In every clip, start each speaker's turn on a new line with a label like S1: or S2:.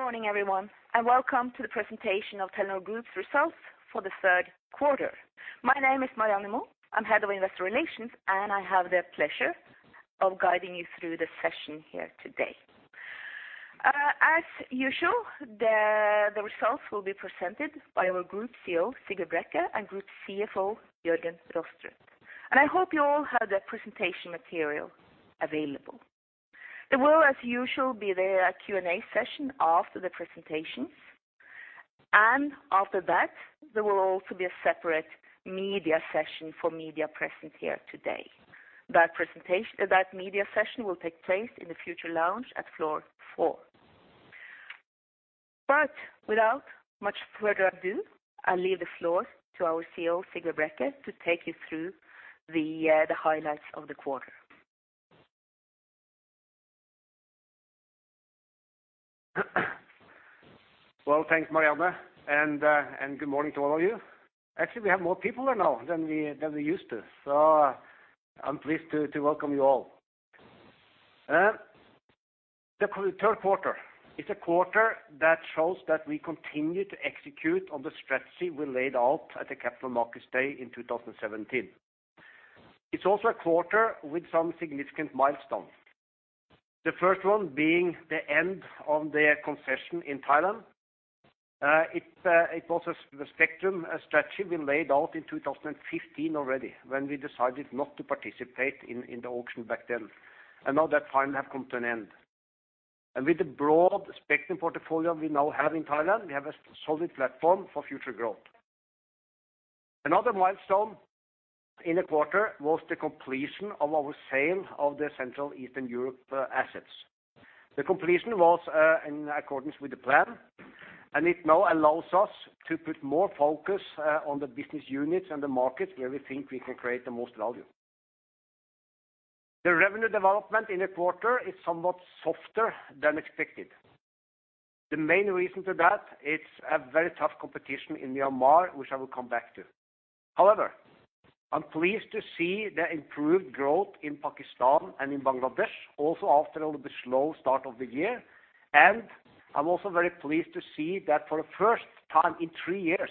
S1: Good morning, everyone, and welcome to the presentation of Telenor Group's results for the third quarter. My name is Marianne Moe. I'm Head of Investor Relations, and I have the pleasure of guiding you through the session here today. As usual, the results will be presented by our Group CEO, Sigve Brekke, and Group CFO, Jørgen Rostrup. And I hope you all have the presentation material available. There will, as usual, be the Q&A session after the presentations, and after that, there will also be a separate media session for media present here today. That media session will take place in the Future Lounge at floor four. But without much further ado, I leave the floor to our CEO, Sigve Brekke, to take you through the highlights of the quarter.
S2: Well, thanks, Marianne, and good morning to all of you. Actually, we have more people here now than we used to, so I'm pleased to welcome you all. The third quarter, it's a quarter that shows that we continue to execute on the strategy we laid out at the Capital Markets Day in 2017. It's also a quarter with some significant milestones. The first one being the end of the concession in Thailand. It was the spectrum strategy we laid out in 2015 already, when we decided not to participate in the auction back then. And now that time have come to an end. And with the broad spectrum portfolio we now have in Thailand, we have a solid platform for future growth. Another milestone in the quarter was the completion of our sale of the Central Eastern Europe assets. The completion was in accordance with the plan, and it now allows us to put more focus on the business units and the markets where we think we can create the most value. The revenue development in the quarter is somewhat softer than expected. The main reason to that, it's a very tough competition in Myanmar, which I will come back to. However, I'm pleased to see the improved growth in Pakistan and in Bangladesh, also after a little bit slow start of the year. And I'm also very pleased to see that for the first time in three years,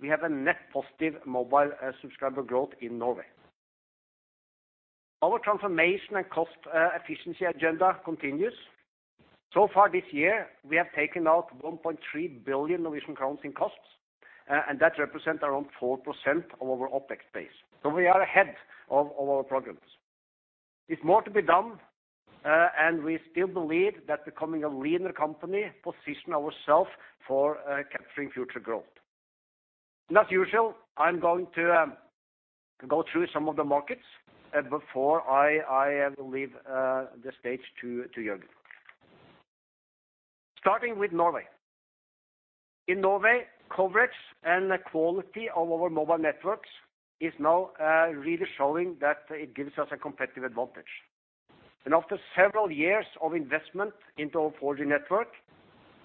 S2: we have a net positive mobile subscriber growth in Norway. Our transformation and cost efficiency agenda continues. So far this year, we have taken out 1.3 billion Norwegian crowns in costs, and that represent around 4% of our OpEx base. So we are ahead of our progress. It's more to be done, and we still believe that becoming a leaner company, position ourselves for capturing future growth. And as usual, I'm going to go through some of the markets before I leave the stage to Jørgen. Starting with Norway. In Norway, coverage and the quality of our mobile networks is now really showing that it gives us a competitive advantage. And after several years of investment into our 4G network,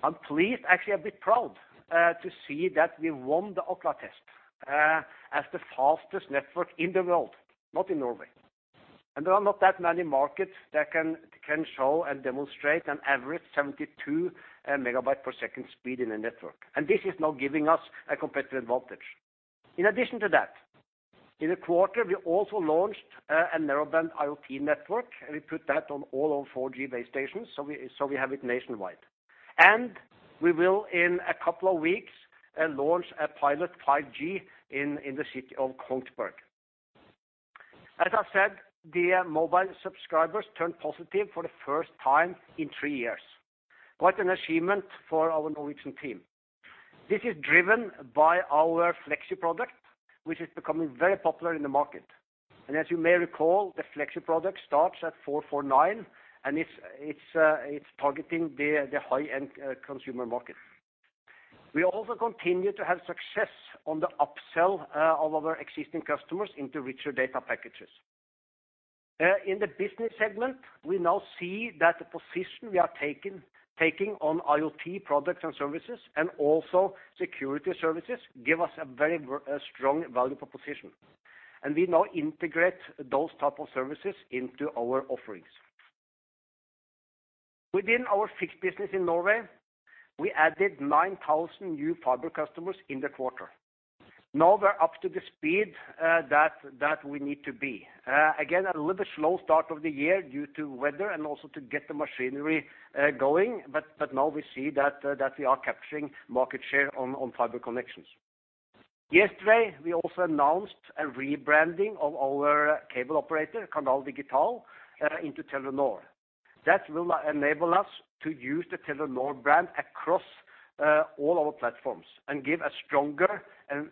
S2: I'm pleased, actually a bit proud, to see that we won the Ookla test as the fastest network in the world, not in Norway. There are not that many markets that can show and demonstrate an average 72 Mbps speed in the network. This is now giving us a competitive advantage. In addition to that, in the quarter, we also launched a narrowband IoT network, and we put that on all our 4G base stations, so we have it nationwide. We will, in a couple of weeks, launch a pilot 5G in the city of Kongsberg. As I said, the mobile subscribers turned positive for the first time in three years. What an achievement for our Norwegian team! This is driven by our Fleksi product, which is becoming very popular in the market. As you may recall, the Fleksi product starts at 449, and it's targeting the high-end consumer market. We also continue to have success on the upsell of our existing customers into richer data packages. In the business segment, we now see that the position we are taking, taking on IoT products and services, and also security services, give us a very strong value proposition, and we now integrate those type of services into our offerings. Within our fixed business in Norway, we added 9,000 new fiber customers in the quarter. Now we're up to the speed that we need to be. Again, a little bit slow start of the year due to weather and also to get the machinery going, but now we see that we are capturing market share on fiber connections. Yesterday, we also announced a rebranding of our cable operator, Canal Digital, into Telenor. That will enable us to use the Telenor brand across all our platforms and give a stronger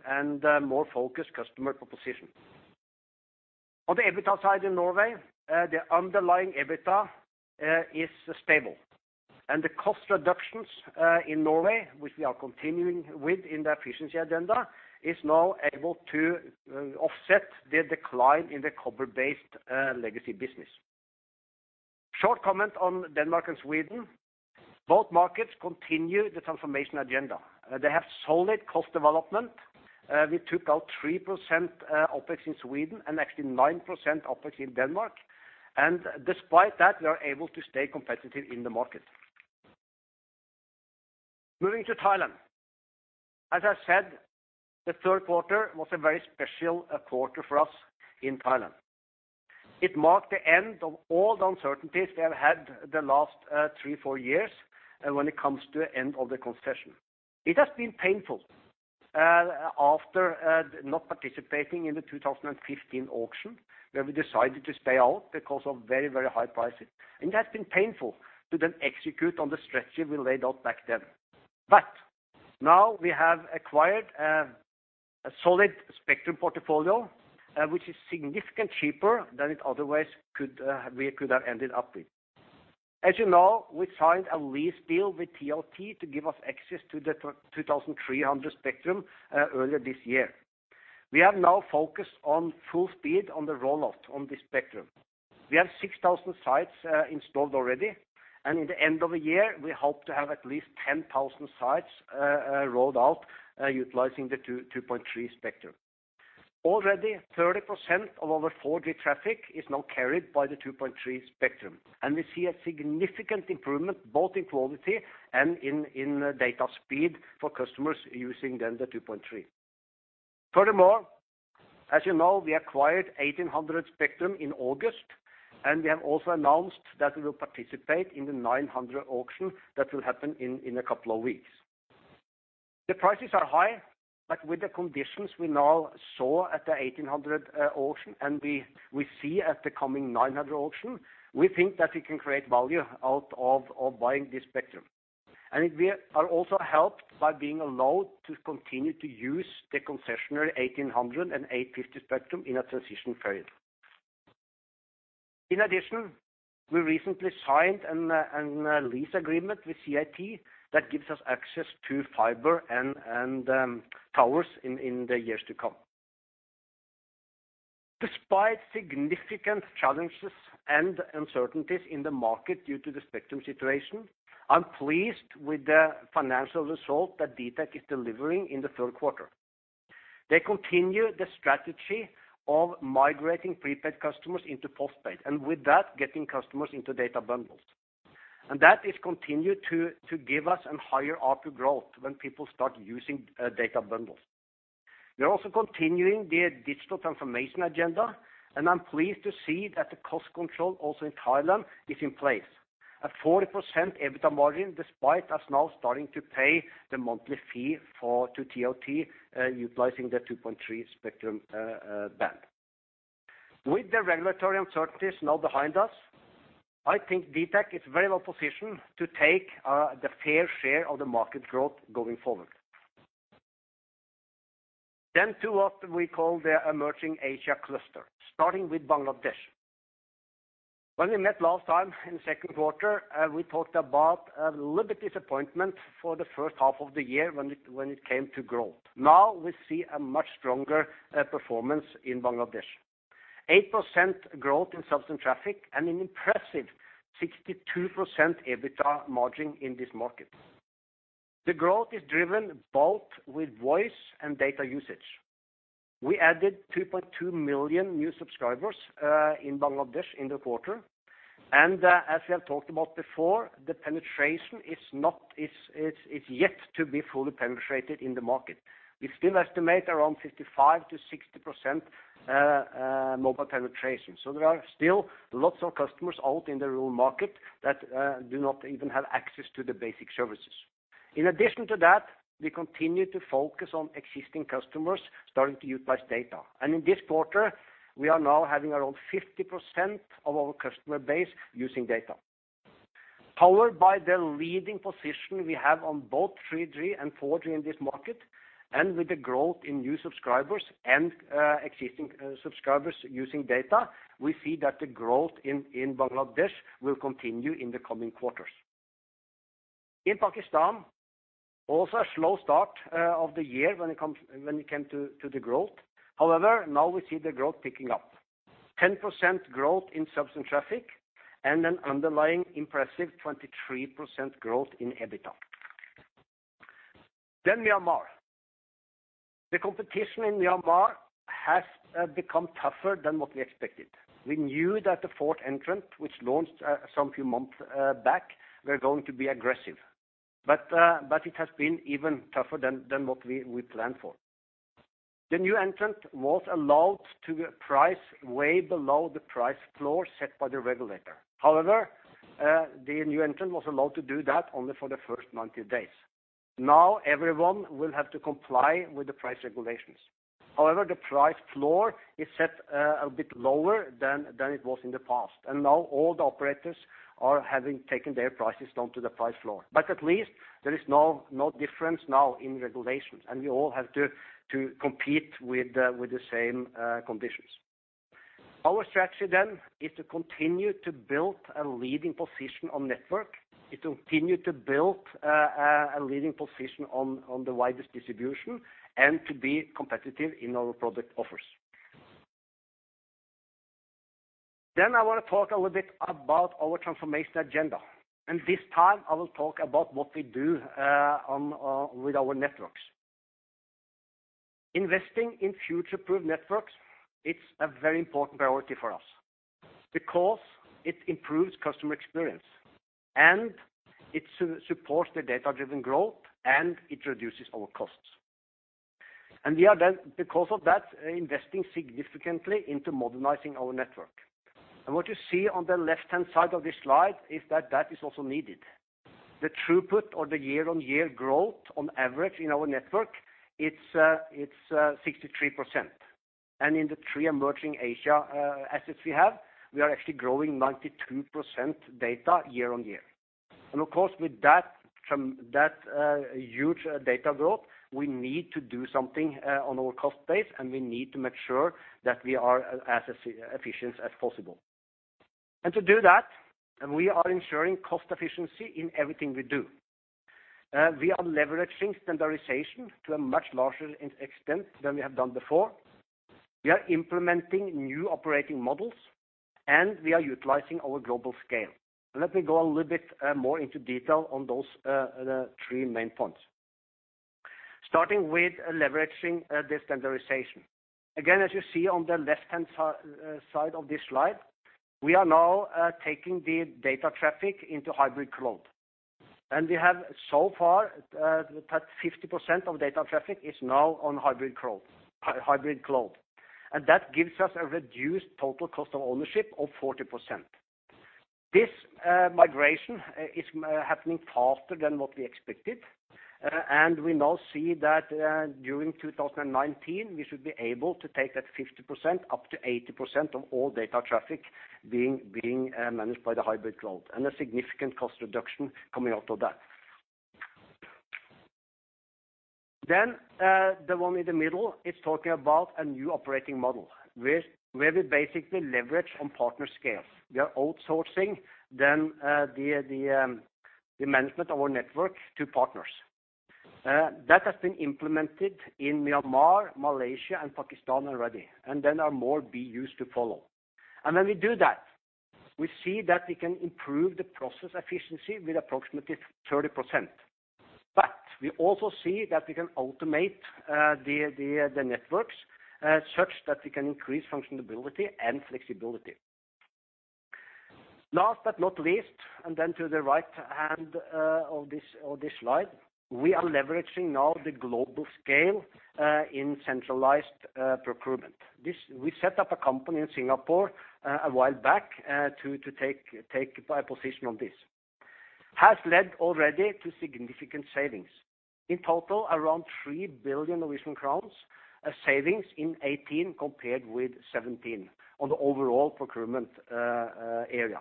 S2: and a more focused customer proposition. On the EBITDA side in Norway, the underlying EBITDA is stable, and the cost reductions in Norway, which we are continuing with in the efficiency agenda, is now able to offset the decline in the copper-based legacy business. Short comment on Denmark and Sweden. Both markets continue the transformation agenda. They have solid cost development. We took out 3% OpEx in Sweden and actually 9% OpEx in Denmark, and despite that, we are able to stay competitive in the market. Moving to Thailand. As I said, the third quarter was a very special quarter for us in Thailand. It marked the end of all the uncertainties they have had the last 3, 4 years, and when it comes to the end of the concession. It has been painful after not participating in the 2015 auction, where we decided to stay out because of very, very high prices, and it has been painful to then execute on the strategy we laid out back then. But now we have acquired a solid spectrum portfolio, which is significantly cheaper than it otherwise could, we could have ended up with. As you know, we signed a lease deal with TOT to give us access to the 2,300 spectrum earlier this year. We have now focused on full speed on the rollout on this spectrum. We have 6,000 sites installed already, and in the end of the year, we hope to have at least 10,000 sites rolled out, utilizing the 2.3 spectrum. Already, 30% of our 4G traffic is now carried by the 2.3 spectrum, and we see a significant improvement, both in quality and in data speed for customers using then the 2.3. Furthermore, as you know, we acquired 1,800 spectrum in August, and we have also announced that we will participate in the 900 auction that will happen in a couple of weeks. The prices are high, but with the conditions we now saw at the 1,800 auction, and we see at the coming 900 auction, we think that we can create value out of buying this spectrum. We are also helped by being allowed to continue to use the concessionary 1800 and 850 spectrum in a transition period. In addition, we recently signed an lease agreement with CAT that gives us access to fiber and towers in the years to come. Despite significant challenges and uncertainties in the market due to the spectrum situation, I'm pleased with the financial result that dtac is delivering in the third quarter. They continue the strategy of migrating prepaid customers into postpaid, and with that, getting customers into data bundles. And that is continued to give us a higher ARPU growth when people start using data bundles. We are also continuing the digital transformation agenda, and I'm pleased to see that the cost control also in Thailand is in place. A 40% EBITDA margin, despite us now starting to pay the monthly fee for-- to TOT, utilizing the 2.3 spectrum band. With the regulatory uncertainties now behind us, I think dtac is very well positioned to take the fair share of the market growth going forward. Then to what we call the Emerging Asia cluster, starting with Bangladesh. When we met last time in the second quarter, we talked about a little bit disappointment for the first half of the year when it, when it came to growth. Now we see a much stronger performance in Bangladesh. 8% growth in subscriber traffic and an impressive 62% EBITDA margin in this market. The growth is driven both with voice and data usage. We added 2.2 million new subscribers in Bangladesh in the quarter, and as we have talked about before, the penetration is not. It's yet to be fully penetrated in the market. We still estimate around 55%-60% mobile penetration, so there are still lots of customers out in the rural market that do not even have access to the basic services. In addition to that, we continue to focus on existing customers starting to utilize data. And in this quarter, we are now having around 50% of our customer base using data. Powered by the leading position we have on both 3G and 4G in this market, and with the growth in new subscribers and existing subscribers using data, we see that the growth in Bangladesh will continue in the coming quarters. In Pakistan, also a slow start of the year when it comes, when it came to, to the growth. However, now we see the growth picking up. 10%s growth in subs and traffic and an underlying impressive 23% growth in EBITDA. Then Myanmar. The competition in Myanmar has become tougher than what we expected. We knew that the fourth entrant, which launched some few months back, were going to be aggressive, but, but it has been even tougher than, than what we planned for. The new entrant was allowed to price way below the price floor set by the regulator. However, the new entrant was allowed to do that only for the first 90 days. Now, everyone will have to comply with the price regulations. However, the price floor is set a bit lower than it was in the past, and now all the operators are having taken their prices down to the price floor. But at least there is no difference now in regulations, and we all have to compete with the same conditions. Our strategy then is to continue to build a leading position on network, to continue to build a leading position on the widest distribution, and to be competitive in our product offers. Then I want to talk a little bit about our transformation agenda, and this time I will talk about what we do with our networks. Investing in future-proof networks, it's a very important priority for us because it improves customer experience, and it supports the data-driven growth, and it reduces our costs. We are then, because of that, investing significantly into modernizing our network. What you see on the left-hand side of this slide is that that is also needed. The throughput or the year-on-year growth on average in our network, it's 63%. In the three emerging Asia assets we have, we are actually growing 92% data year-on-year. Of course, with that, from that huge data growth, we need to do something on our cost base, and we need to make sure that we are as efficient as possible. To do that, we are ensuring cost efficiency in everything we do. We are leveraging standardization to a much larger extent than we have done before. We are implementing new operating models, and we are utilizing our global scale. Let me go a little bit more into detail on those, the three main points. Starting with leveraging the standardization. Again, as you see on the left-hand side of this slide, we are now taking the data traffic into hybrid cloud. And we have so far that 50% of data traffic is now on hybrid cloud. And that gives us a reduced total cost of ownership of 40%. This migration is happening faster than what we expected, and we now see that during 2019, we should be able to take that 50% up to 80% of all data traffic being managed by the hybrid cloud, and a significant cost reduction coming out of that. Then, the one in the middle is talking about a new operating model, where we basically leverage on partner scale. We are outsourcing then, the management of our network to partners. That has been implemented in Myanmar, Malaysia, and Pakistan already, and there are more to follow. And when we do that, we see that we can improve the process efficiency with approximately 30%. But we also see that we can automate the networks such that we can increase functionality and flexibility. Last but not least, then to the right hand of this slide, we are leveraging now the global scale in centralized procurement. This, we set up a company in Singapore a while back to take a position on this. Has led already to significant savings. In total, around 3 billion Norwegian crowns, a savings in 2018 compared with 2017 on the overall procurement area.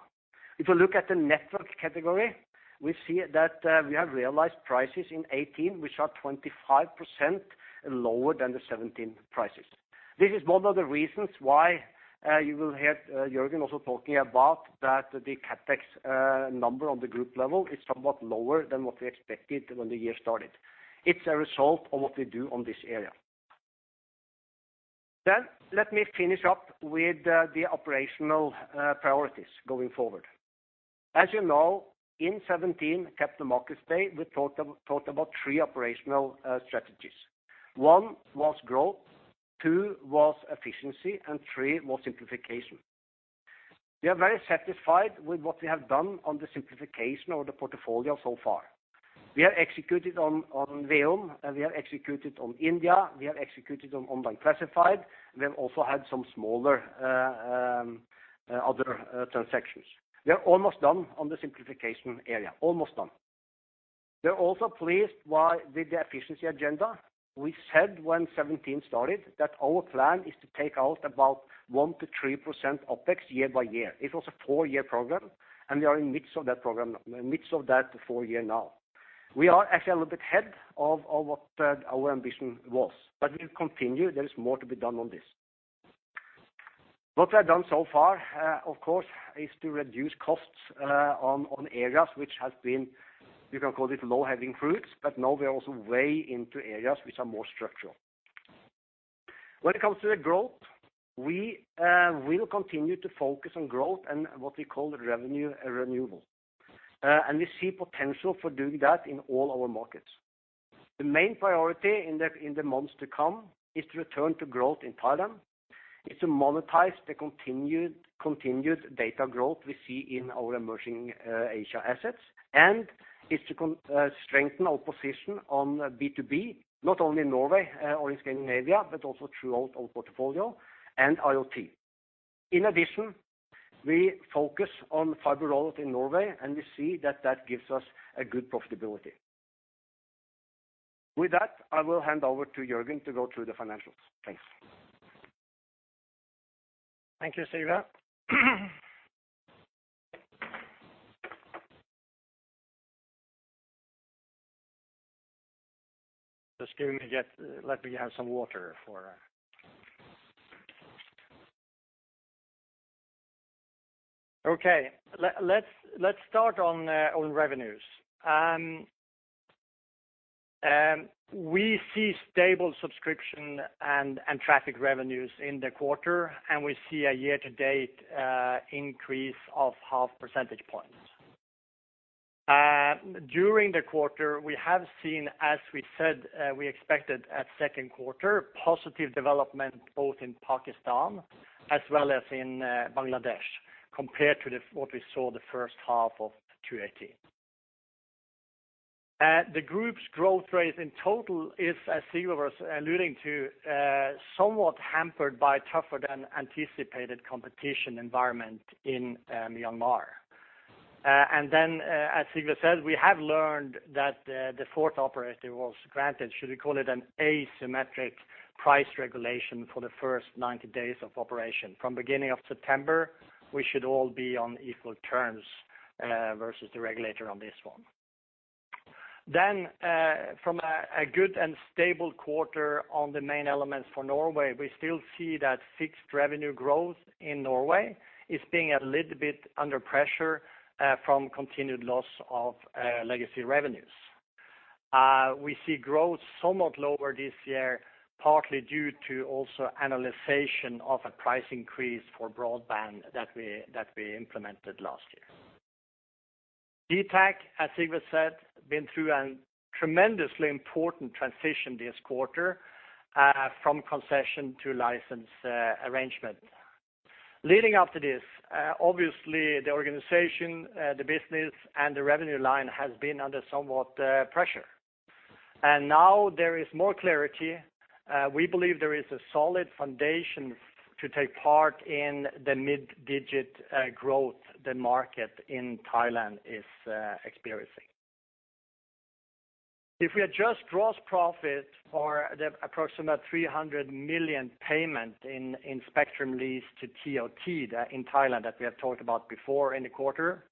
S2: If you look at the network category, we see that we have realized prices in 2018, which are 25% lower than the 2017 prices. This is one of the reasons why you will hear Jørgen also talking about that the CapEx number on the group level is somewhat lower than what we expected when the year started. It's a result of what we do on this area. Then let me finish up with the operational priorities going forward. As you know, in 2017, at the Markets Day, we talked about three operational strategies. One was growth, two was efficiency, and three was simplification. We are very satisfied with what we have done on the simplification of the portfolio so far. We have executed on VEON, and we have executed on India. We have executed on online classified. We have also had some smaller other transactions. We are almost done on the simplification area, almost done. We're also pleased with the efficiency agenda. We said when 2017 started that our plan is to take out about 1%-3% OpEx year by year. It was a four-year program, and we are in midst of that program, midst of that four-year now. We are actually a little bit ahead of what our ambition was, but we'll continue. There is more to be done on this. What we have done so far, of course, is to reduce costs on areas which has been, you can call it low-hanging fruits, but now we are also way into areas which are more structural. When it comes to the growth, we will continue to focus on growth and what we call the revenue renewal. And we see potential for doing that in all our markets. The main priority in the months to come is to return to growth in Thailand, is to monetize the continued, continued data growth we see in our emerging Asia assets, and is to strengthen our position on B2B, not only in Norway or in Scandinavia, but also throughout our portfolio and IoT. In addition, we focus on fiber rollout in Norway, and we see that that gives us a good profitability. With that, I will hand over to Jørgen to go through the financials. Thanks.
S3: Thank you, Sigve. Just let me have some water for... Okay. Let's start on revenues. We see stable subscription and traffic revenues in the quarter, and we see a year-to-date increase of half percentage points. During the quarter, we have seen, as we said, we expected at second quarter, positive development both in Pakistan as well as in Bangladesh, compared to what we saw the first half of 2018. The group's growth rate in total is, as Sigve was alluding to, somewhat hampered by tougher than anticipated competition environment in Myanmar. And then, as Sigve said, we have learned that the fourth operator was granted, should we call it an asymmetric price regulation for the first 90 days of operation. From beginning of September, we should all be on equal terms versus the regulator on this one. Then, from a good and stable quarter on the main elements for Norway, we still see that fixed revenue growth in Norway is being a little bit under pressure from continued loss of legacy revenues. We see growth somewhat lower this year, partly due to also annualization of a price increase for broadband that we implemented last year. dtac, as Sigve said, been through a tremendously important transition this quarter from concession to license arrangement. Leading up to this, obviously, the organization, the business, and the revenue line has been under somewhat pressure. And now there is more clarity. We believe there is a solid foundation to take part in the mid-digit growth the market in Thailand is experiencing. If we adjust gross profit for the approximate 300 million payment in spectrum lease to TOT in Thailand, that we have talked about before in the quarter,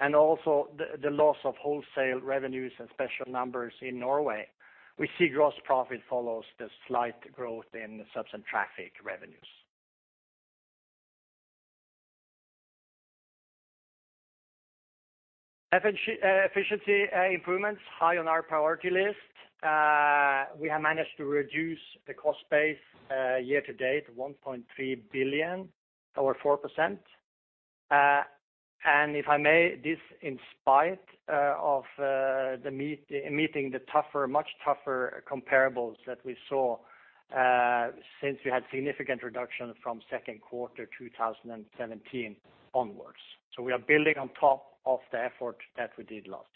S3: and also the loss of wholesale revenues and special numbers in Norway, we see gross profit follows the slight growth in subs and traffic revenues. Efficiency improvements high on our priority list. We have managed to reduce the cost base year to date, 1.3 billion, or 4%. And if I may, this in spite of meeting the tougher, much tougher comparables that we saw since we had significant reduction from second quarter 2017 onwards. So we are building on top of the effort that we did last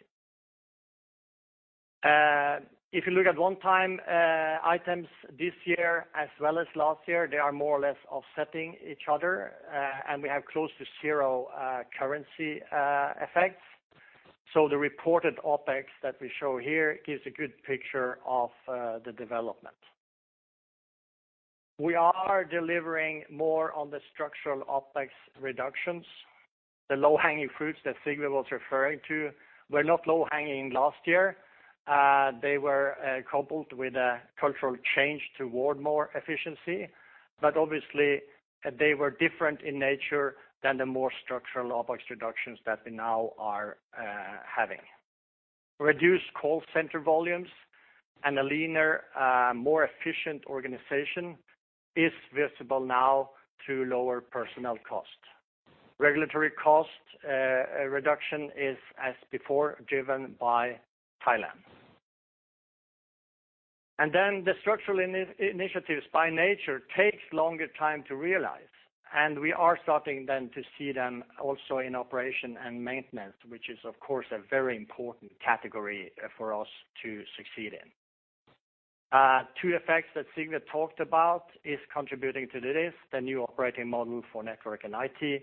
S3: year. If you look at one-time items this year as well as last year, they are more or less offsetting each other, and we have close to zero currency effects. So the reported OpEx that we show here gives a good picture of the development. We are delivering more on the structural OpEx reductions. The low-hanging fruits that Sigve was referring to were not low-hanging last year. They were coupled with a cultural change toward more efficiency, but obviously, they were different in nature than the more structural OpEx reductions that we now are having. Reduced call center volumes and a leaner, more efficient organization is visible now to lower personnel costs. Regulatory cost reduction is, as before, driven by Thailand. And then the structural initiatives by nature takes longer time to realize, and we are starting then to see them also in operation and maintenance, which is, of course, a very important category for us to succeed in. Two effects that Sigve talked about is contributing to this, the new operating model for network and IT,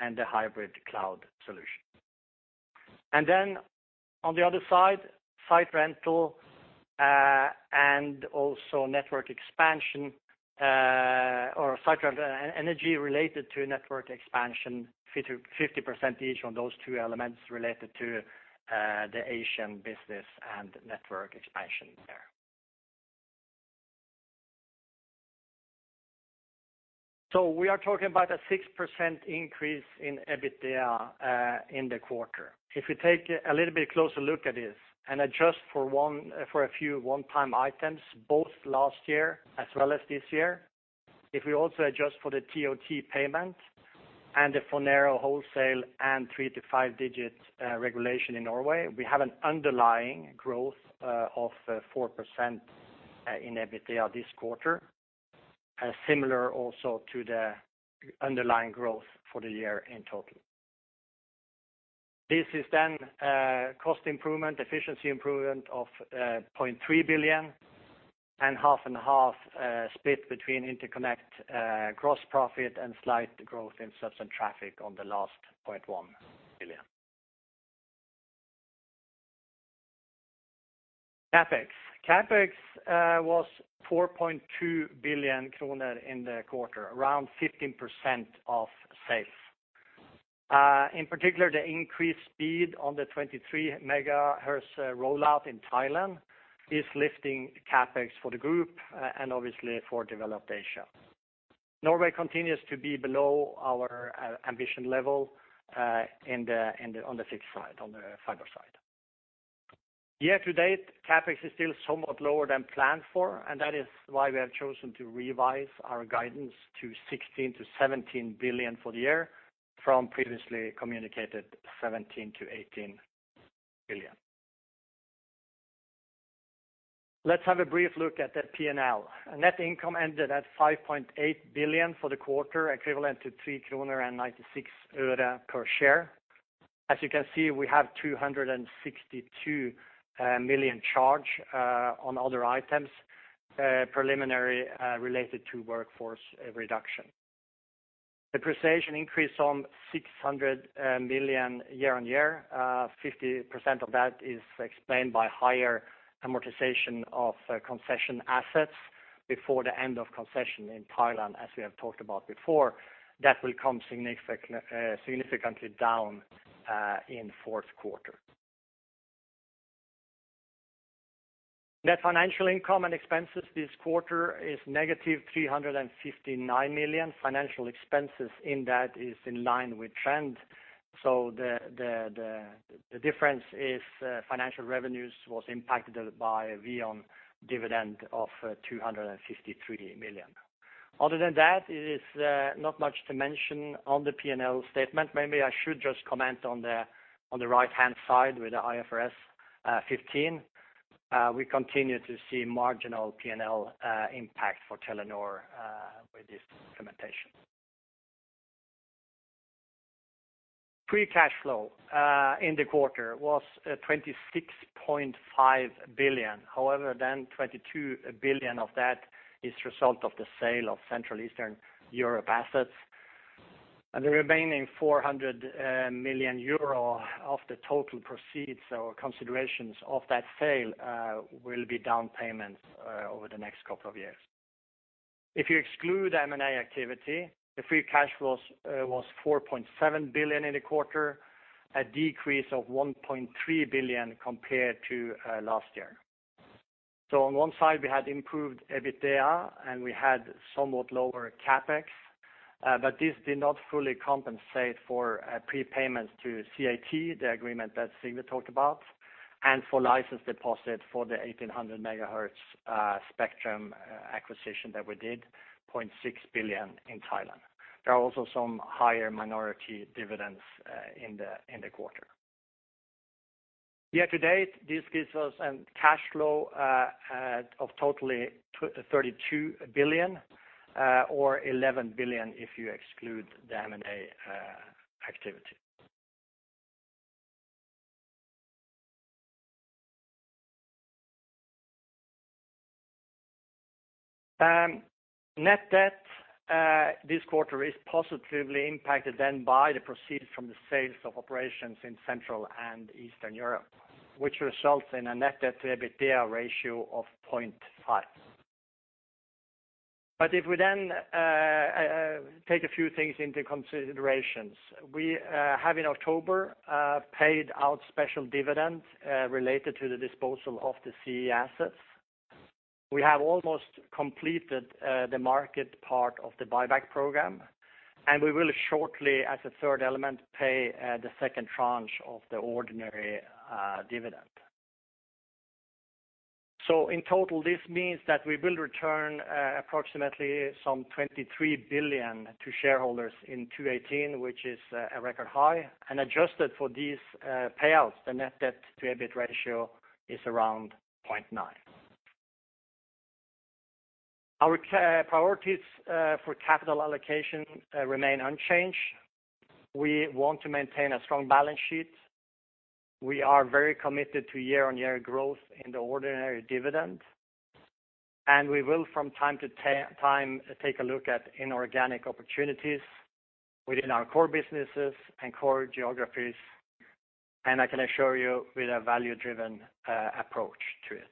S3: and the hybrid cloud solution. And then, on the other side, site rental and energy related to network expansion, 50/50 percentage on those two elements related to the Asian business and network expansion there. So we are talking about a 6% increase in EBITDA in the quarter. If we take a little bit closer look at this and adjust for one, for a few one-time items, both last year as well as this year, if we also adjust for the TOT payment and the Phonero wholesale and 3-5 digit regulation in Norway, we have an underlying growth of 4% in EBITDA this quarter, similar also to the underlying growth for the year in total. This is then cost improvement, efficiency improvement of 0.3 billion, and half and half split between interconnect gross profit, and slight growth in subs and traffic on the last 0.1 billion. CapEx was 4.2 billion kroner in the quarter, around 15% of sales. In particular, the increased speed on the 2300 MHz rollout in Thailand is lifting CapEx for the group, and obviously for developed Asia. Norway continues to be below our ambition level in the fixed side, on the fiber side. Year to date, CapEx is still somewhat lower than planned for, and that is why we have chosen to revise our guidance to 16 billion-17 billion for the year, from previously communicated 17 billion-18 billion. Let's have a brief look at the P&L. Net income ended at 5.8 billion for the quarter, equivalent to 3.96 kroner per share. As you can see, we have a 262 million charge on other items, preliminary, related to workforce reduction. The precision increase on 600 million year-on-year, fifty percent of that is explained by higher amortization of concession assets before the end of concession in Thailand, as we have talked about before. That will come significantly, significantly down in fourth quarter. Net financial income and expenses this quarter is negative 359 million. Financial expenses in that is in line with trend, so the, the, the, the difference is, financial revenues was impacted by VEON dividend of 253 million. Other than that, it is, not much to mention on the P&L statement. Maybe I should just comment on the, on the right-hand side with the IFRS 15. We continue to see marginal P&L impact for Telenor with this implementation. Free cash flow in the quarter was twenty-six point five billion. However, then 22 billion of that is result of the sale of Central Eastern Europe assets, and the remaining 400 million euro of the total proceeds or considerations of that sale will be down payments over the next couple of years. If you exclude M&A activity, the free cash flows was 4.7 billion in the quarter, a decrease of 1.3 billion compared to last year. So on one side, we had improved EBITDA, and we had somewhat lower CapEx, but this did not fully compensate for prepayments to CAT, the agreement that Sigve talked about, and for license deposit for the 1800 MHz spectrum acquisition that we did, 0.6 billion in Thailand. There are also some higher minority dividends in the quarter. Year to date, this gives us a cash flow of totally 32 billion, or 11 billion if you exclude the M&A activity. Net debt this quarter is positively impacted then by the proceeds from the sales of operations in Central and Eastern Europe, which results in a net debt to EBITDA ratio of 0.5. But if we then take a few things into considerations, we have in October paid out special dividends related to the disposal of the CE assets. We have almost completed the market part of the buyback program, and we will shortly, as a third element, pay the second tranche of the ordinary dividend. So in total, this means that we will return, approximately some 23 billion to shareholders in 2018, which is, a record high, and adjusted for these, payouts, the net debt to EBIT ratio is around 0.9. Our priorities, for capital allocation, remain unchanged. We want to maintain a strong balance sheet. We are very committed to year-on-year growth in the ordinary dividend, and we will from time to time, take a look at inorganic opportunities within our core businesses and core geographies, and I can assure you, with a value-driven, approach to it.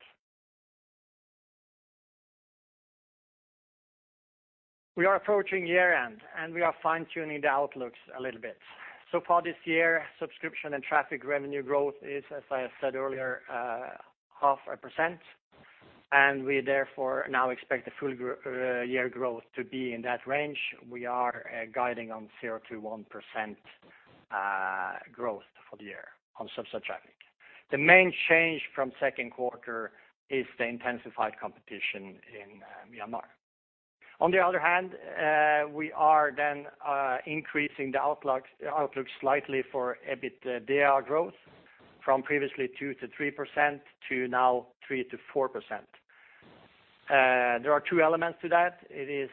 S3: We are approaching year-end, and we are fine-tuning the outlooks a little bit. So far this year, subscription and traffic revenue growth is, as I said earlier, 0.5%, and we therefore now expect the full year growth to be in that range. We are guiding on 0%-1% growth for the year on subs and traffic. The main change from second quarter is the intensified competition in Myanmar. On the other hand, we are then increasing the outlook slightly for EBITDA growth from previously 2%-3% to now 3%-4%. There are two elements to that. It is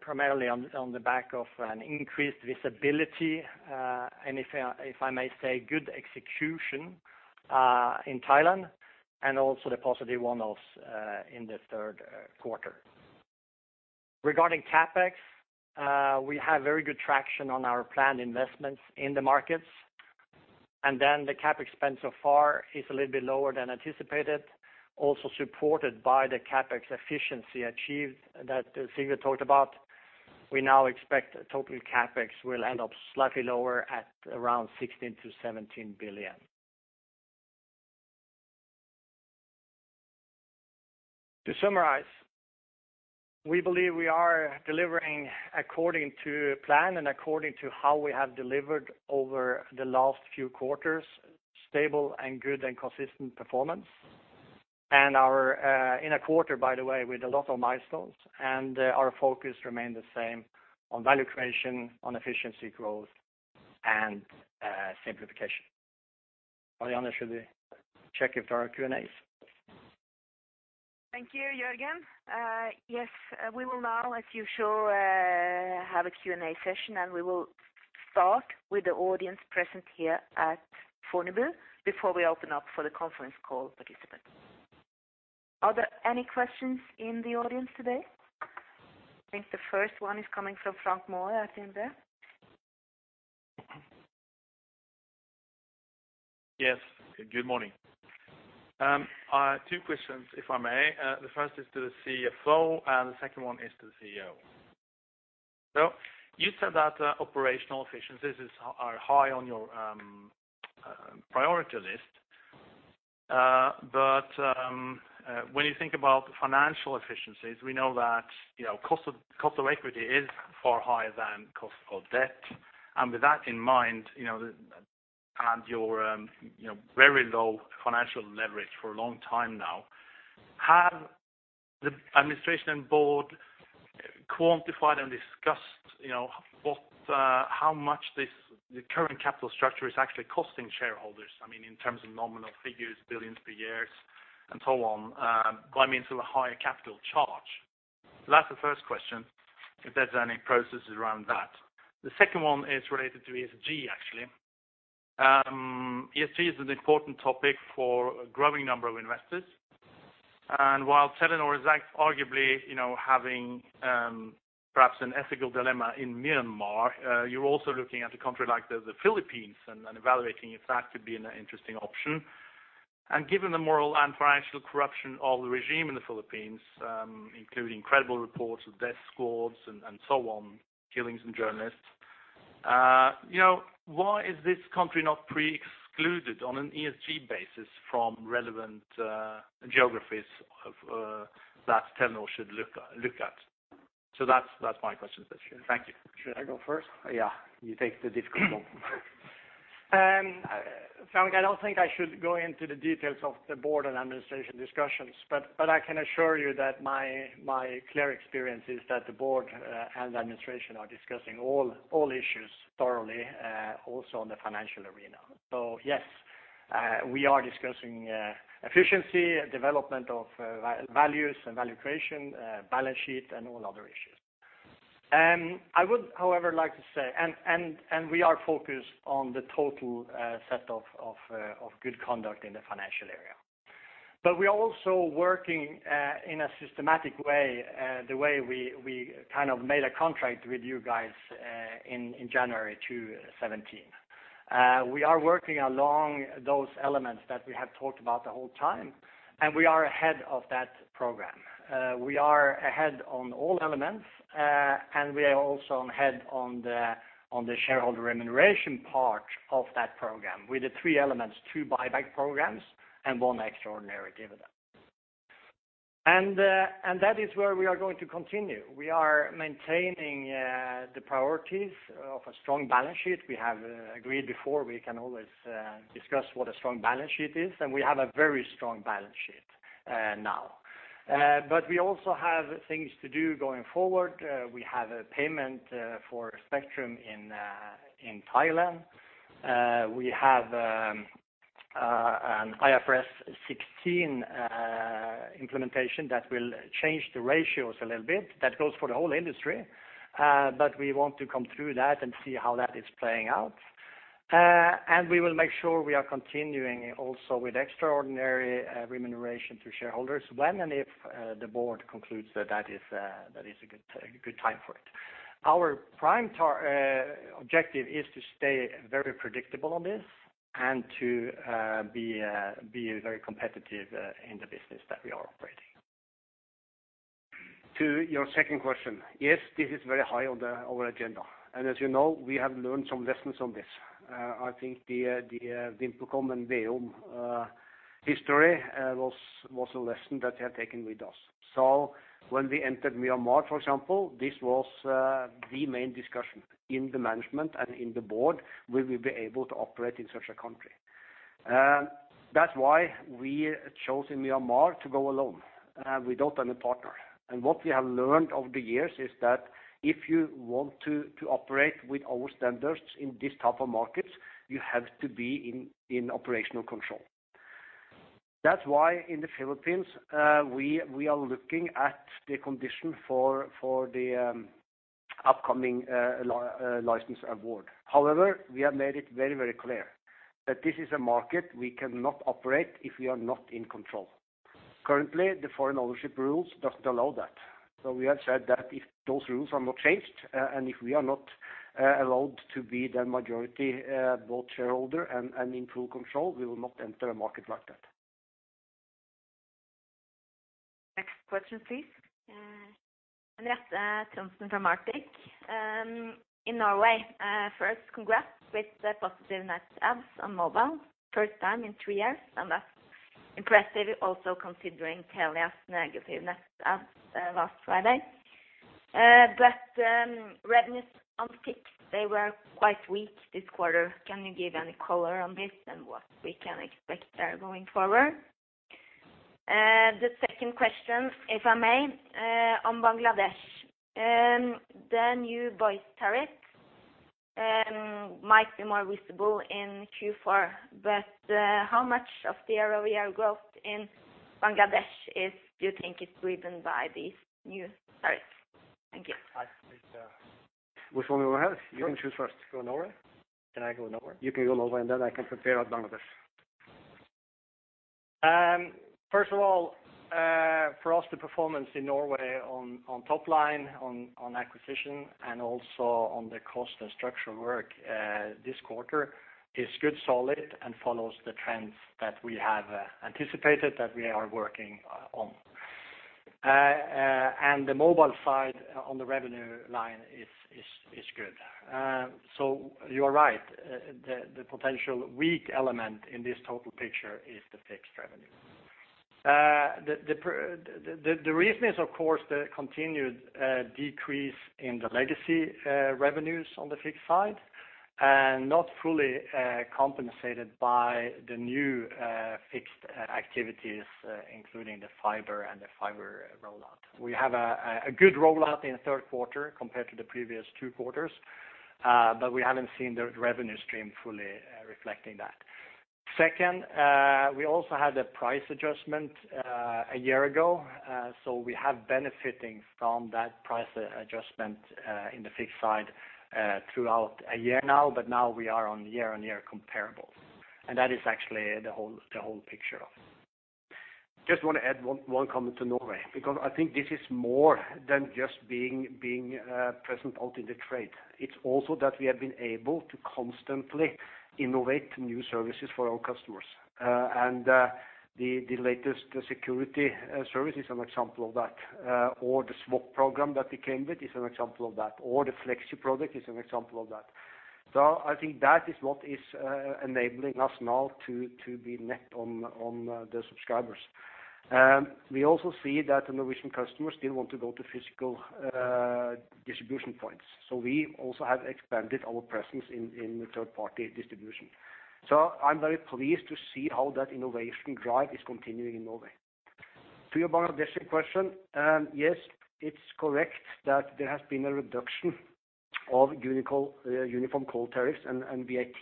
S3: primarily on the back of an increased visibility and, if I may say, good execution in Thailand, and also the positive one-offs in the third quarter. Regarding CapEx, we have very good traction on our planned investments in the markets, and then the CapEx spend so far is a little bit lower than anticipated, also supported by the CapEx efficiency achieved that Sigve talked about. We now expect total CapEx will end up slightly lower at around 16 billion-17 billion. To summarize, we believe we are delivering according to plan and according to how we have delivered over the last few quarters, stable and good and consistent performance. Our, in a quarter, by the way, with a lot of milestones, and, our focus remain the same on value creation, on efficiency growth, and, simplification. Marianne, should we check if there are Q&As?
S1: Thank you, Jørgen. Yes, we will now, as usual, have a Q&A session, and we will start with the audience present here at Fornebu before we open up for the conference call participant. Are there any questions in the audience today? I think the first one is coming from Frank Maaø from DNB Markets.
S4: Yes, good morning. I have two questions, if I may. The first is to the CFO, and the second one is to the CEO. So you said that operational efficiencies is, are high on your priority list. But when you think about financial efficiencies, we know that, you know, cost of, cost of equity is far higher than cost of debt. And with that in mind, you know, and your, you know, very low financial leverage for a long time now, have the administration and board quantified and discussed, you know, what, how much this, the current capital structure is actually costing shareholders? I mean, in terms of nominal figures, billions per years, and so on, by means of a higher capital charge. That's the first question, if there's any processes around that. The second one is related to ESG, actually. ESG is an important topic for a growing number of investors. And while Telenor is arguably, you know, having perhaps an ethical dilemma in Myanmar, you're also looking at a country like the Philippines and evaluating if that could be an interesting option. And given the moral and financial corruption of the regime in the Philippines, including credible reports of death squads and so on, killings and journalists, you know, why is this country not pre-excluded on an ESG basis from relevant geographies of that Telenor should look at? So that's my question. Thank you.
S3: Should I go first?
S2: Yeah, you take the difficult one.
S3: Frank, I don't think I should go into the details of the board and administration discussions, but I can assure you that my clear experience is that the board and the administration are discussing all issues thoroughly, also on the financial arena. So yes, we are discussing efficiency, development of values and value creation, balance sheet, and all other issues. I would, however, like to say and we are focused on the total set of good conduct in the financial area. But we are also working in a systematic way, the way we kind of made a contract with you guys in January 2017. We are working along those elements that we have talked about the whole time, and we are ahead of that program. We are ahead on all elements, and we are also ahead on the shareholder remuneration part of that program. With the three elements, two buyback programs and one extraordinary dividend. That is where we are going to continue. We are maintaining the priorities of a strong balance sheet. We have agreed before, we can always discuss what a strong balance sheet is, and we have a very strong balance sheet now. But we also have things to do going forward. We have a payment for spectrum in Thailand. We have an IFRS 16 implementation that will change the ratios a little bit. That goes for the whole industry, but we want to come through that and see how that is playing out. We will make sure we are continuing also with extraordinary remuneration to shareholders when and if the board concludes that that is a good time for it. Our prime objective is to stay very predictable on this and to be very competitive in the business that we are operating.
S2: To your second question, yes, this is very high on the our agenda. And as you know, we have learned some lessons on this. I think the VimpelCom and VEON history was a lesson that we have taken with us. So when we entered Myanmar, for example, this was the main discussion in the management and in the board, will we be able to operate in such a country? And that's why we chose in Myanmar to go alone without any partner. And what we have learned over the years is that if you want to operate with our standards in these type of markets, you have to be in operational control. That's why in the Philippines, we are looking at the condition for the upcoming license award. However, we have made it very, very clear that this is a market we cannot operate if we are not in control. Currently, the foreign ownership rules doesn't allow that. So we have said that if those rules are not changed, and if we are not allowed to be the majority vote shareholder and in full control, we will not enter a market like that.
S1: Next question, please?
S5: Henriette Trondsen from Arctic, in Norway. First, congrats with the positive net adds on mobile, first time in three years, and that's impressive also considering Telia's negative net adds, last Friday. But, revenues on fixed, they were quite weak this quarter. Can you give any color on this and what we can expect there going forward? And the second question, if I may, on Bangladesh, the new voice tariffs, might be more visible in Q4, but, how much of the ROE growth in Bangladesh is-- do you think is driven by these new tariffs? Thank you.
S2: Hi, Henriette. Which one do we have? You can choose first.
S3: Go Norway. Can I go Norway?
S2: You can go Norway, and then I can compare on Bangladesh.
S3: First of all, for us, the performance in Norway on top line, on acquisition, and also on the cost and structural work, this quarter is good, solid, and follows the trends that we have anticipated that we are working on. And the mobile side on the revenue line is good. So you're right, the potential weak element in this total picture is the fixed revenue. The reason is, of course, the continued decrease in the legacy revenues on the fixed side and not fully compensated by the new fixed activities, including the fiber and the fiber rollout. We have a good rollout in the third quarter compared to the previous two quarters, but we haven't seen the revenue stream fully reflecting that. Second, we also had a price adjustment a year ago, so we have benefiting from that price adjustment in the fixed side throughout a year now, but now we are on year-on-year comparables, and that is actually the whole picture of.
S2: Just want to add one comment to Norway, because I think this is more than just being present out in the trade. It's also that we have been able to constantly innovate new services for our customers. The latest security service is an example of that, or the SMOK program that we came with is an example of that, or the Fleksi product is an example of that. So I think that is what is enabling us now to be net on the subscribers. We also see that the Norwegian customers still want to go to physical distribution points, so we also have expanded our presence in the third-party distribution. So I'm very pleased to see how that innovation drive is continuing in Norway. To your Bangladeshi question, yes, it's correct that there has been a reduction of uniform call tariffs and VAT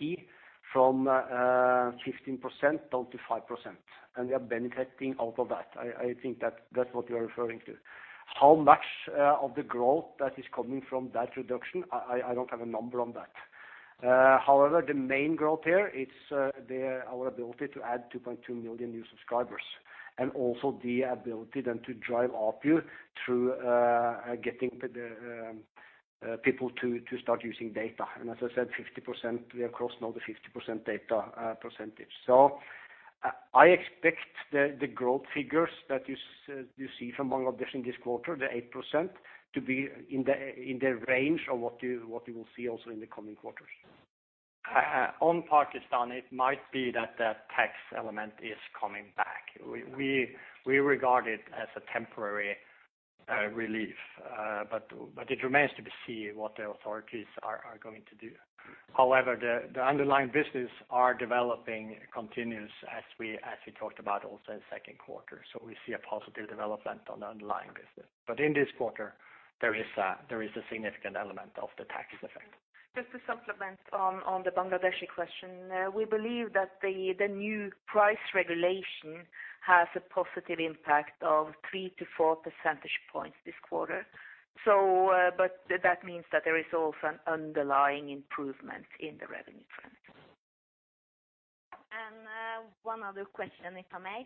S2: from 15% down to 5%, and we are benefiting out of that. I think that's what you are referring to. How much of the growth that is coming from that reduction, I don't have a number on that. However, the main growth here, it's our ability to add 2.2 million new subscribers, and also the ability then to drive ARPU through getting the people to start using data. And as I said, 50%, we are across now the 50% data percentage. So, I expect the growth figures that you see from Bangladesh in this quarter, the 8%, to be in the range of what you will see also in the coming quarters.
S3: On Pakistan, it might be that the tax element is coming back. We regard it as a temporary relief, but it remains to be seen what the authorities are going to do. However, the underlying business are developing continuously as we talked about also in the second quarter. So we see a positive development on the underlying business. But in this quarter, there is a significant element of the tax effect.
S5: Just to supplement on the Bangladeshi question, we believe that the new price regulation has a positive impact of 3-4 percentage points this quarter. So, but that means that there is also an underlying improvement in the revenue trend. And, one other question, if I may.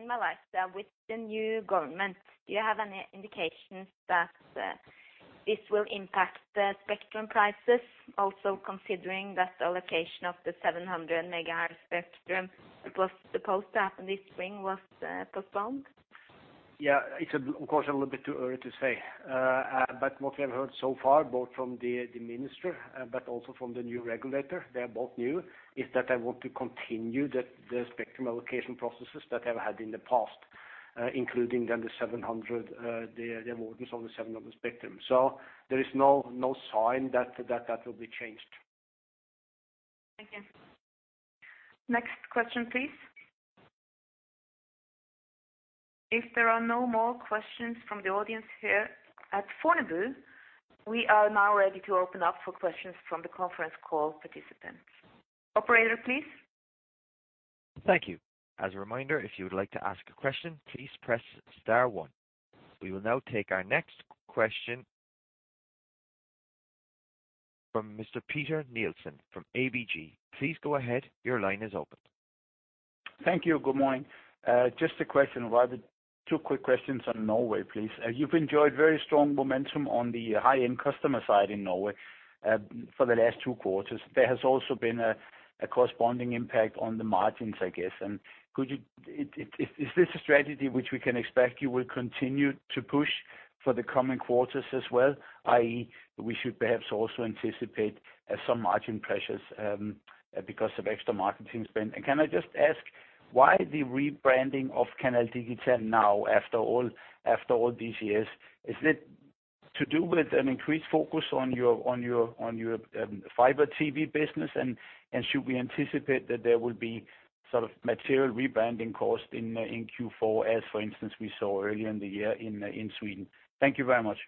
S5: In Malaysia, with the new government, do you have any indications that this will impact the spectrum prices, also considering that the allocation of the 700 megahertz spectrum that was supposed to happen this spring was postponed?
S2: Yeah, it's of course a little bit too early to say. But what we have heard so far, both from the minister, but also from the new regulator, they are both new, is that they want to continue the spectrum allocation processes that they have had in the past, including then the 700, the awards on the 700 spectrum. So there is no sign that that will be changed.
S5: Thank you. Next question, please. If there are no more questions from the audience here at Fornebu, we are now ready to open up for questions from the conference call participants. Operator, please.
S6: Thank you. As a reminder, if you would like to ask a question, please press star one. We will now take our next question from Mr. Peter Nielsen from ABG. Please go ahead, your line is open.
S7: Thank you. Good morning. Just a question, I have two quick questions on Norway, please. You've enjoyed very strong momentum on the high-end customer side in Norway, for the last two quarters. There has also been a corresponding impact on the margins, I guess. And could you... Is this a strategy which we can expect you will continue to push? For the coming quarters as well, i.e., we should perhaps also anticipate some margin pressures because of extra marketing spend? And can I just ask why the rebranding of Canal Digital now, after all, after all these years? Is it to do with an increased focus on your fiber TV business? And should we anticipate that there will be sort of material rebranding costs in Q4, as for instance, we saw earlier in the year in Sweden? Thank you very much.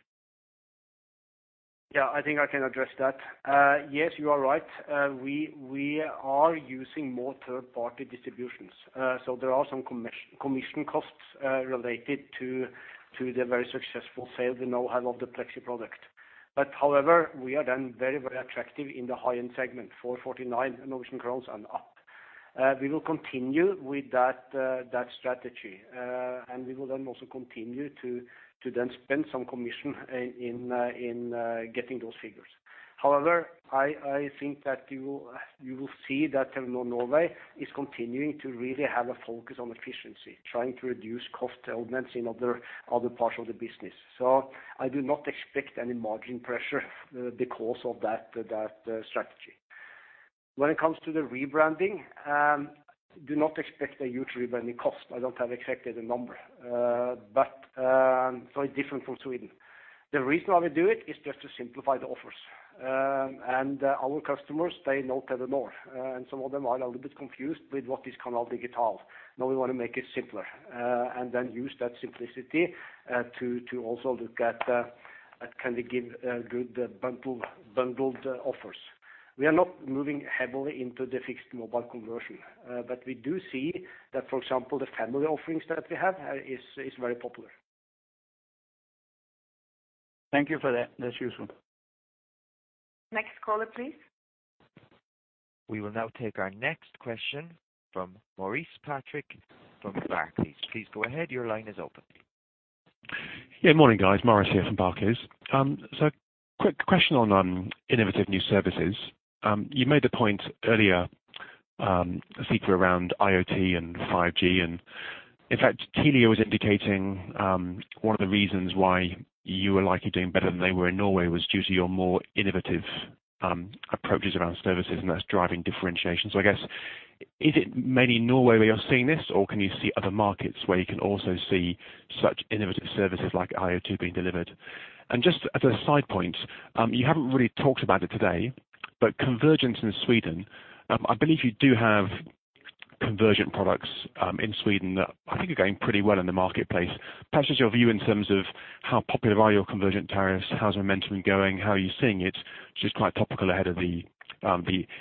S2: Yeah, I think I can address that. Yes, you are right. We are using more third party distributions. So there are some commission costs related to the very successful sale, the know-how of the Fleksi product. But however, we are then very, very attractive in the high-end segment, 449 Norwegian crowns and up. We will continue with that strategy. And we will then also continue to then spend some commission in getting those figures. However, I think that you will see that Telenor Norway is continuing to really have a focus on efficiency, trying to reduce cost elements in other parts of the business. So I do not expect any margin pressure because of that strategy. When it comes to the rebranding, do not expect a huge rebranding cost. I don't have exactly the number. But, so it's different from Sweden. The reason why we do it is just to simplify the offers. And our customers, they know Telenor, and some of them are a little bit confused with what is Canal Digital. Now we want to make it simpler, and then use that simplicity, to, to also look at, at can we give, good bundled offers. We are not moving heavily into the fixed mobile conversion, but we do see that, for example, the family offerings that we have, is, is very popular.
S7: Thank you for that. That's useful.
S1: Next caller, please.
S6: We will now take our next question from Maurice Patrick from Barclays. Please go ahead. Your line is open.
S8: Yeah. Morning, guys. Maurice here from Barclays. So quick question on innovative new services. You made a point earlier, Sigve, around IoT and 5G, and in fact, Telia was indicating one of the reasons why you were likely doing better than they were in Norway was due to your more innovative approaches around services, and that's driving differentiation. So I guess, is it mainly Norway where you're seeing this, or can you see other markets where you can also see such innovative services like IoT being delivered? And just as a side point, you haven't really talked about it today, but convergence in Sweden, I believe you do have convergent products in Sweden, that I think are going pretty well in the marketplace. Perhaps just your view in terms of how popular are your convergent tariffs, how's the momentum going, how are you seeing it? Just quite topical ahead of the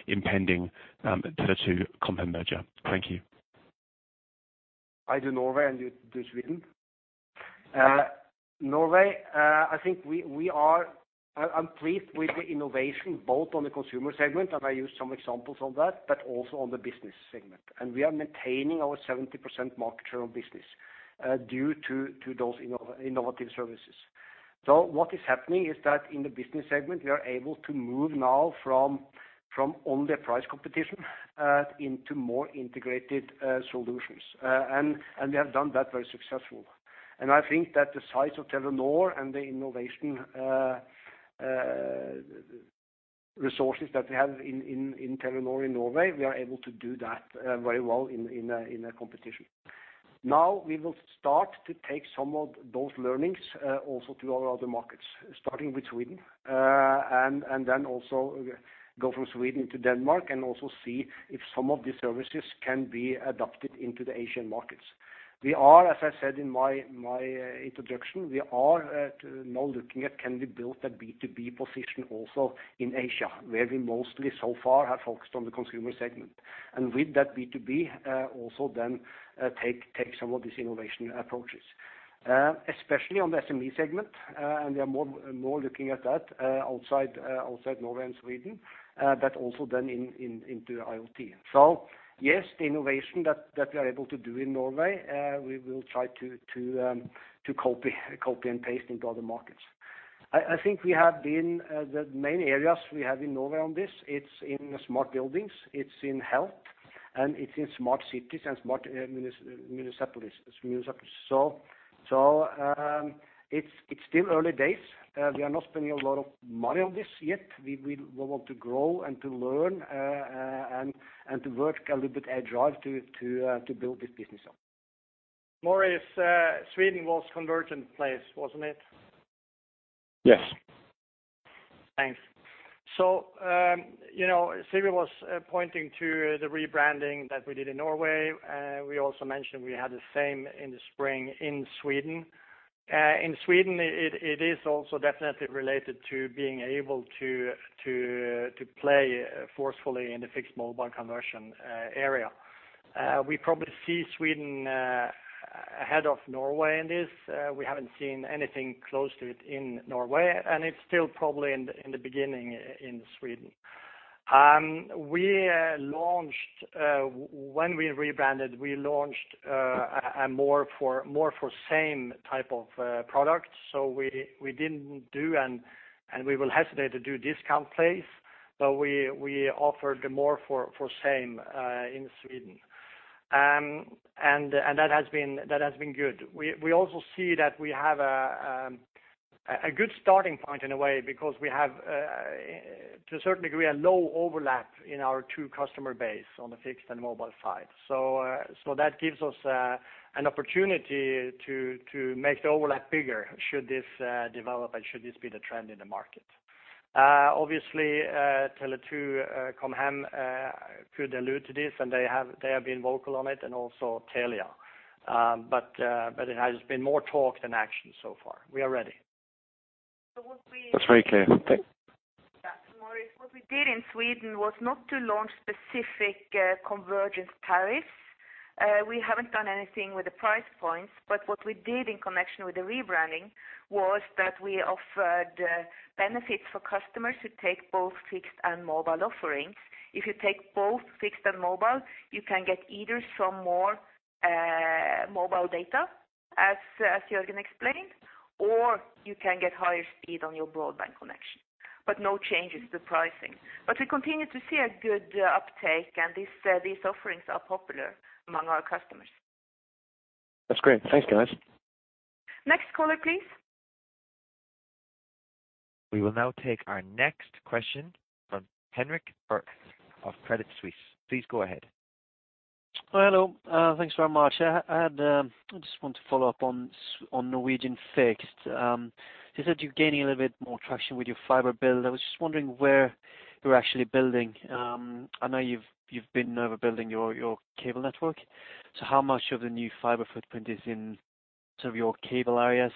S8: impending Tele2 company merger. Thank you.
S2: I do Norway, and you do Sweden? Norway. I think we are. I’m pleased with the innovation, both on the consumer segment, and I use some examples on that, but also on the business segment. And we are maintaining our 70% market share on business due to those innovative services. So what is happening is that in the business segment, we are able to move now from only price competition into more integrated solutions. And we have done that very successful. And I think that the size of Telenor and the innovation resources that we have in Telenor in Norway, we are able to do that very well in a competition. Now, we will start to take some of those learnings also to our other markets, starting with Sweden, and then also go from Sweden to Denmark and also see if some of these services can be adopted into the Asian markets. We are, as I said in my introduction, we are now looking at can we build a B2B position also in Asia, where we mostly so far have focused on the consumer segment. And with that B2B, also then take some of these innovation approaches. Especially on the SME segment, and we are more looking at that outside Norway and Sweden, but also then into IoT. So yes, the innovation that we are able to do in Norway, we will try to copy and paste into other markets. I think we have been the main areas we have in Norway on this; it's in smart buildings, it's in health, and it's in smart cities and smart municipalities. So, it's still early days. We are not spending a lot of money on this yet. We want to grow and to learn and to work a little bit at drive to build this business up.
S3: Maurice, Sweden was convergent place, wasn't it?
S8: Yes.
S3: Thanks. So, you know, Sigve was pointing to the rebranding that we did in Norway. We also mentioned we had the same in the spring in Sweden. In Sweden, it is also definitely related to being able to play forcefully in the fixed mobile conversion area. We probably see Sweden ahead of Norway in this. We haven't seen anything close to it in Norway, and it's still probably in the beginning in Sweden. We launched... When we rebranded, we launched a more for more for same type of product. So we didn't do and we will hesitate to do discount plays, but we offered the more for same in Sweden.... and that has been good. We also see that we have a good starting point in a way, because we have, to a certain degree, a low overlap in our two customer base on the fixed and mobile side. So, that gives us an opportunity to make the overlap bigger, should this develop and should this be the trend in the market. Obviously, Tele2, Com Hem, could allude to this, and they have - they have been vocal on it, and also Telia. But, it has been more talk than action so far. We are ready.
S1: So what we-
S8: That's very clear. Thanks.
S1: Yeah, Maurice, what we did in Sweden was not to launch specific, convergence tariffs. We haven't done anything with the price points, but what we did in connection with the rebranding was that we offered, benefits for customers who take both fixed and mobile offerings. If you take both fixed and mobile, you can get either some more, mobile data, as Jørgen explained, or you can get higher speed on your broadband connection, but no changes to pricing. But we continue to see a good, uptake, and these offerings are popular among our customers.
S8: That's great. Thanks, guys.
S3: Next caller, please.
S6: We will now take our next question from Henrik Kalberg of Credit Suisse. Please go ahead.
S9: Hello. Thanks very much. I had, I just want to follow up on Norwegian fixed. You said you're gaining a little bit more traction with your fiber build. I was just wondering where you're actually building. I know you've been overbuilding your cable network, so how much of the new fiber footprint is in sort of your cable areas?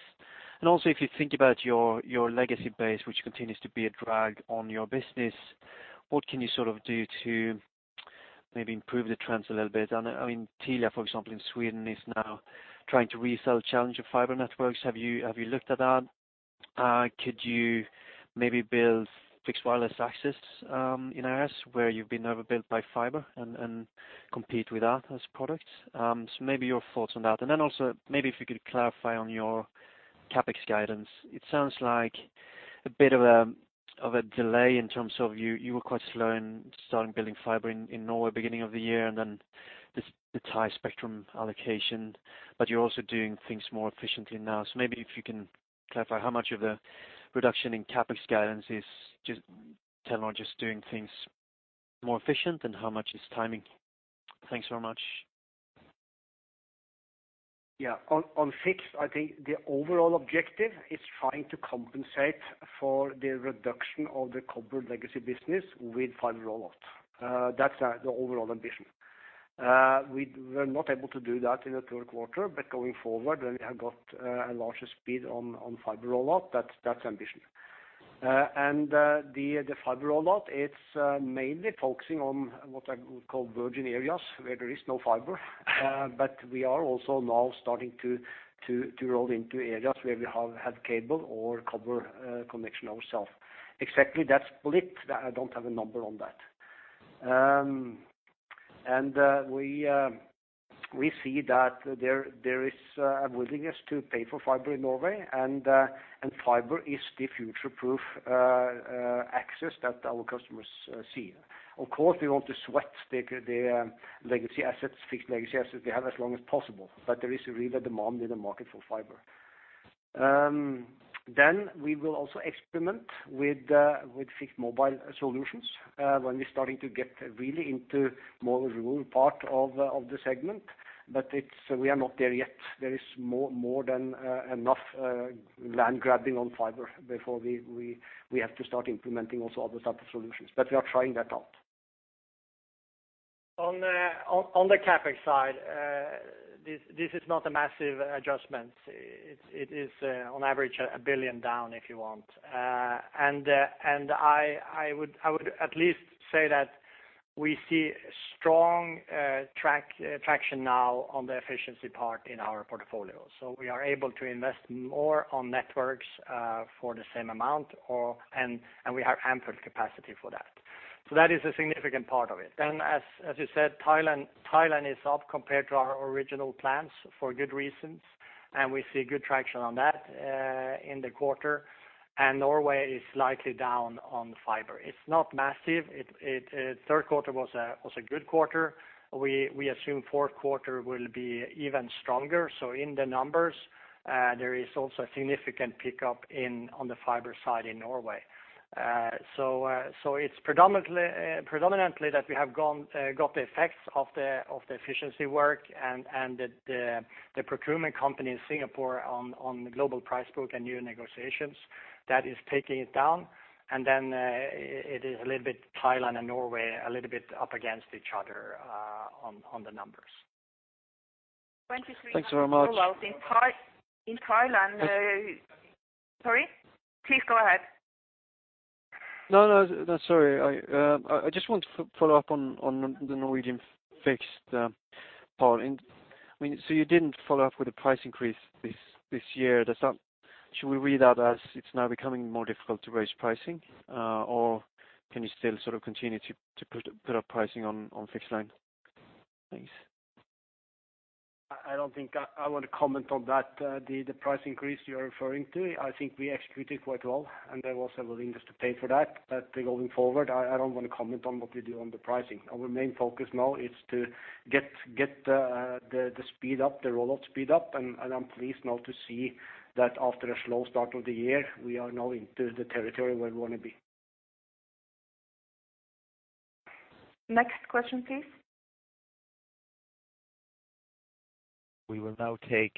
S9: And also, if you think about your legacy base, which continues to be a drag on your business, what can you sort of do to maybe improve the trends a little bit? And, I mean, Telia, for example, in Sweden, is now trying to resell challenge of fiber networks. Have you looked at that? Could you maybe build fixed wireless access in areas where you've been overbuilt by fiber and compete with that as products? Maybe your thoughts on that. Also, maybe if you could clarify on your CapEx guidance. It sounds like a bit of a delay in terms of you were quite slow in starting building fiber in Norway beginning of the year, and then this, the high spectrum allocation, but you're also doing things more efficiently now. Maybe you can clarify how much of the reduction in CapEx guidance is just Telenor just doing things more efficient and how much is timing? Thanks very much.
S2: Yeah. On fixed, I think the overall objective is trying to compensate for the reduction of the copper legacy business with fiber rollout. That's the overall ambition. We were not able to do that in the third quarter, but going forward, and we have got a larger speed on fiber rollout, that's the ambition. And the fiber rollout, it's mainly focusing on what I would call virgin areas, where there is no fiber. But we are also now starting to roll into areas where we have had cable or copper connection ourselves. Exactly, that split, I don't have a number on that. And we see that there is a willingness to pay for fiber in Norway, and fiber is the future-proof access that our customers see. Of course, we want to sweat the legacy assets, fixed legacy assets we have as long as possible, but there is a real demand in the market for fiber. Then we will also experiment with fixed mobile solutions when we're starting to get really into more rural part of the segment. But we are not there yet. There is more than enough land grabbing on fiber before we have to start implementing also other type of solutions, but we are trying that out.
S3: On the CapEx side, this is not a massive adjustment. It is on average, 1 billion down, if you want. And I would at least say that we see strong traction now on the efficiency part in our portfolio. So we are able to invest more on networks for the same amount or and we have ample capacity for that. So that is a significant part of it. Then, as you said, Thailand is up compared to our original plans for good reasons, and we see good traction on that in the quarter, and Norway is slightly down on the fiber. It's not massive. Third quarter was a good quarter. We assume fourth quarter will be even stronger. So in the numbers, there is also a significant pickup on the fiber side in Norway. It's predominantly that we have gone, got the effects of the efficiency work and the procurement company in Singapore on the global price book and new negotiations. That is taking it down, and then it is a little bit Thailand and Norway, a little bit up against each other on the numbers.
S9: Thanks very much.
S1: In Thailand, sorry? Please go ahead.
S9: No, no, no, sorry. I, I just want to follow up on the Norwegian fixed part. I mean, so you didn't follow up with a price increase this year. Does that... Should we read that as it's now becoming more difficult to raise pricing, or can you still sort of continue to put up pricing on fixed line? Thanks.
S2: I don't think I want to comment on that. The price increase you are referring to, I think we executed quite well, and they were also willing just to pay for that. But going forward, I don't want to comment on what we do on the pricing. Our main focus now is to get the speed up, the rollout speed up, and I'm pleased now to see that after a slow start of the year, we are now into the territory where we want to be.
S1: Next question, please.
S6: We will now take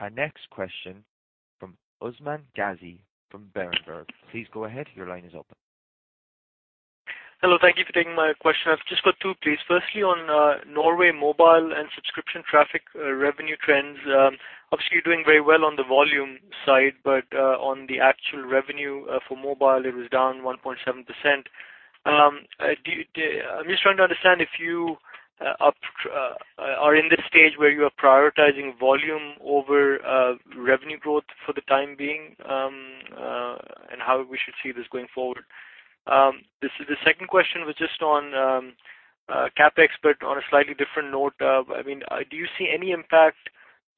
S6: our next question from Usman Ghazi from Berenberg. Please go ahead. Your line is open.
S10: Hello, thank you for taking my question. I've just got two, please. Firstly, on Norway mobile and subscription traffic revenue trends. Obviously, you're doing very well on the volume side, but on the actual revenue for mobile, it was down 1.7%. I'm just trying to understand if you are in this stage where you are prioritizing volume over revenue growth for the time being, and how we should see this going forward? The second question was just on CapEx, but on a slightly different note. I mean, do you see any impact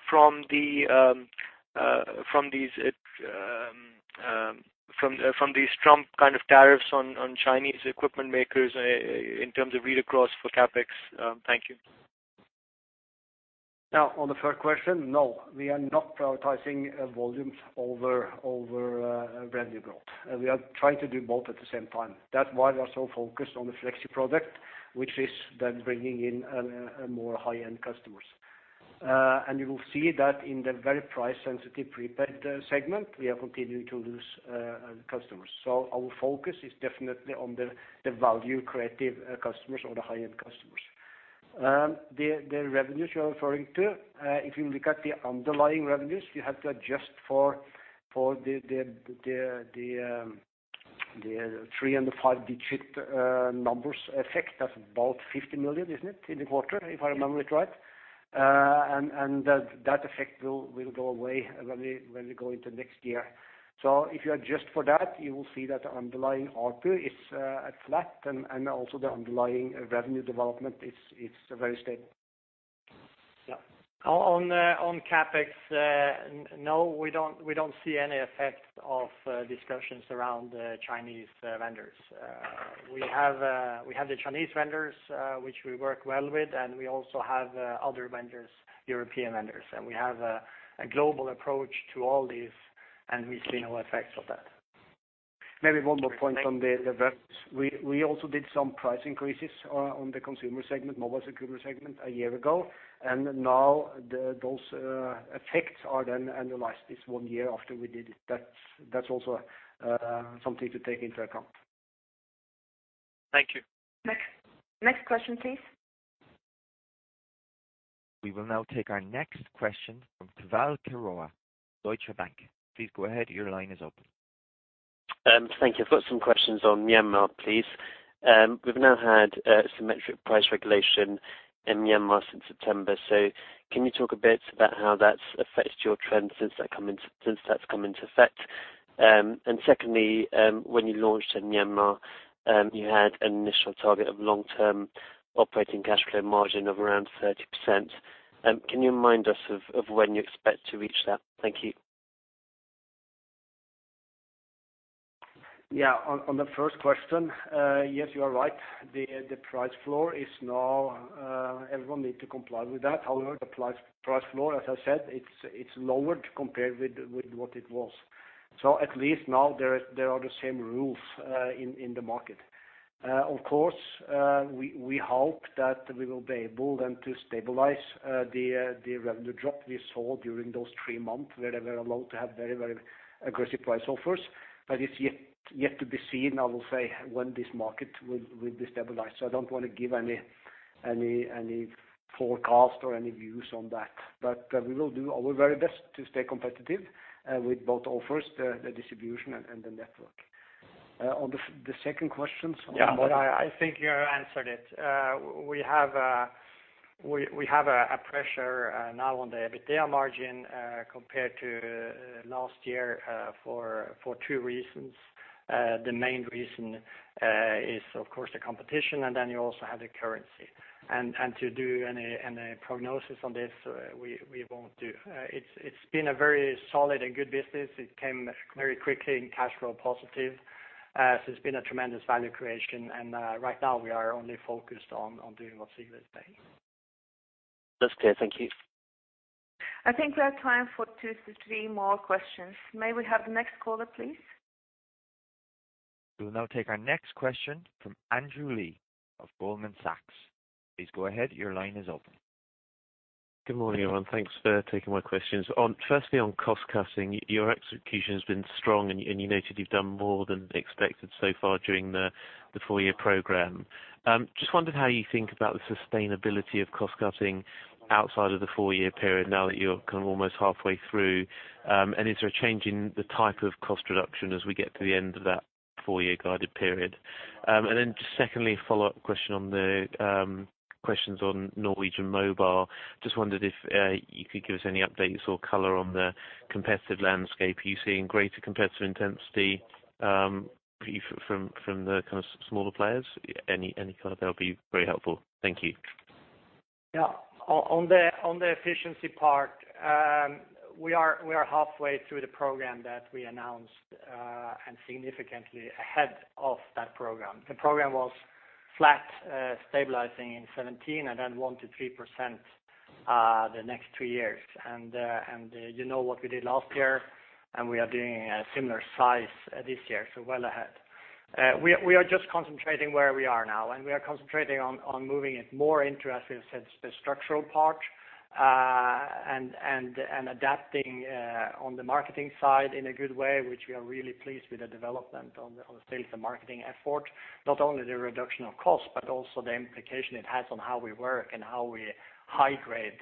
S10: from these Trump kind of tariffs on Chinese equipment makers, in terms of read across for CapEx? Thank you.
S2: Now, on the first question, no, we are not prioritizing volumes over revenue growth. We are trying to do both at the same time. That's why we are so focused on the Fleksi product, which is then bringing in more high-end customers. And you will see that in the very price-sensitive prepaid segment, we are continuing to lose customers. So our focus is definitely on the value creative customers or the high-end customers. The revenues you're referring to, if you look at the underlying revenues, you have to adjust for the three and the five-digit numbers effect. That's about 50 million, isn't it, in the quarter, if I remember it right? And that effect will go away when we go into next year. So if you adjust for that, you will see that the underlying ARPU is at flat, and also the underlying revenue development is very stable.
S3: Yeah. On CapEx, no, we don't see any effect of discussions around the Chinese vendors. We have the Chinese vendors, which we work well with, and we also have other vendors, European vendors. And we have a global approach to all these, and we see no effects of that.
S2: Maybe one more point on the vendors. We also did some price increases on the consumer segment, mobile consumer segment, a year ago, and now those effects are then annualized. It's one year after we did it. That's also something to take into account.
S10: Thank you.
S1: Next, next question, please.
S6: We will now take our next question from Keval Khiroya, Deutsche Bank. Please go ahead. Your line is open.
S11: Thank you. I've got some questions on Myanmar, please. We've now had symmetric price regulation in Myanmar since September. So can you talk a bit about how that's affected your trend since that's come into effect? And secondly, when you launched in Myanmar, you had an initial target of long-term operating cash flow margin of around 30%. Can you remind us of when you expect to reach that? Thank you.
S2: Yeah, on the first question, yes, you are right. The price floor is now everyone need to comply with that. However, the price floor, as I said, it's lowered compared with what it was. So at least now there are the same rules in the market. Of course, we hope that we will be able then to stabilize the revenue drop we saw during those three months, where they were allowed to have very aggressive price offers. But it's yet to be seen, I will say, when this market will be stabilized. So I don't want to give any forecast or any views on that. But we will do our very best to stay competitive with both offers, the distribution and the network. On the second question on-
S3: Yeah, I think you answered it. We have a pressure now on the EBITDA margin compared to last year for two reasons. The main reason is, of course, the competition, and then you also have the currency. To do any prognosis on this, we won't do. It's been a very solid and good business. It came very quickly in cash flow positive. So it's been a tremendous value creation, and right now we are only focused on doing what we see today.
S11: That's clear. Thank you.
S1: I think we have time for 2-3 more questions. May we have the next caller, please?
S6: We will now take our next question from Andrew Lee of Goldman Sachs. Please go ahead. Your line is open.
S12: Good morning, everyone. Thanks for taking my questions. On, firstly, on cost cutting, your execution has been strong, and you noted you've done more than expected so far during the four-year program. Just wondered how you think about the sustainability of cost cutting outside of the four-year period now that you're kind of almost halfway through? And is there a change in the type of cost reduction as we get to the end of that four-year guided period? And then just secondly, a follow-up question on the questions on Norwegian mobile. Just wondered if you could give us any updates or color on the competitive landscape. Are you seeing greater competitive intensity from the kind of smaller players? Any color there will be very helpful. Thank you....
S3: Yeah, on the efficiency part, we are halfway through the program that we announced, and significantly ahead of that program. The program was flat, stabilizing in 2017, and then 1%-3% the next two years. And you know what we did last year, and we are doing a similar size this year, so well ahead. We are just concentrating where we are now, and we are concentrating on moving it more into, as I said, the structural part, and adapting on the marketing side in a good way, which we are really pleased with the development on the sales and marketing effort. Not only the reduction of cost, but also the implication it has on how we work and how we high grade,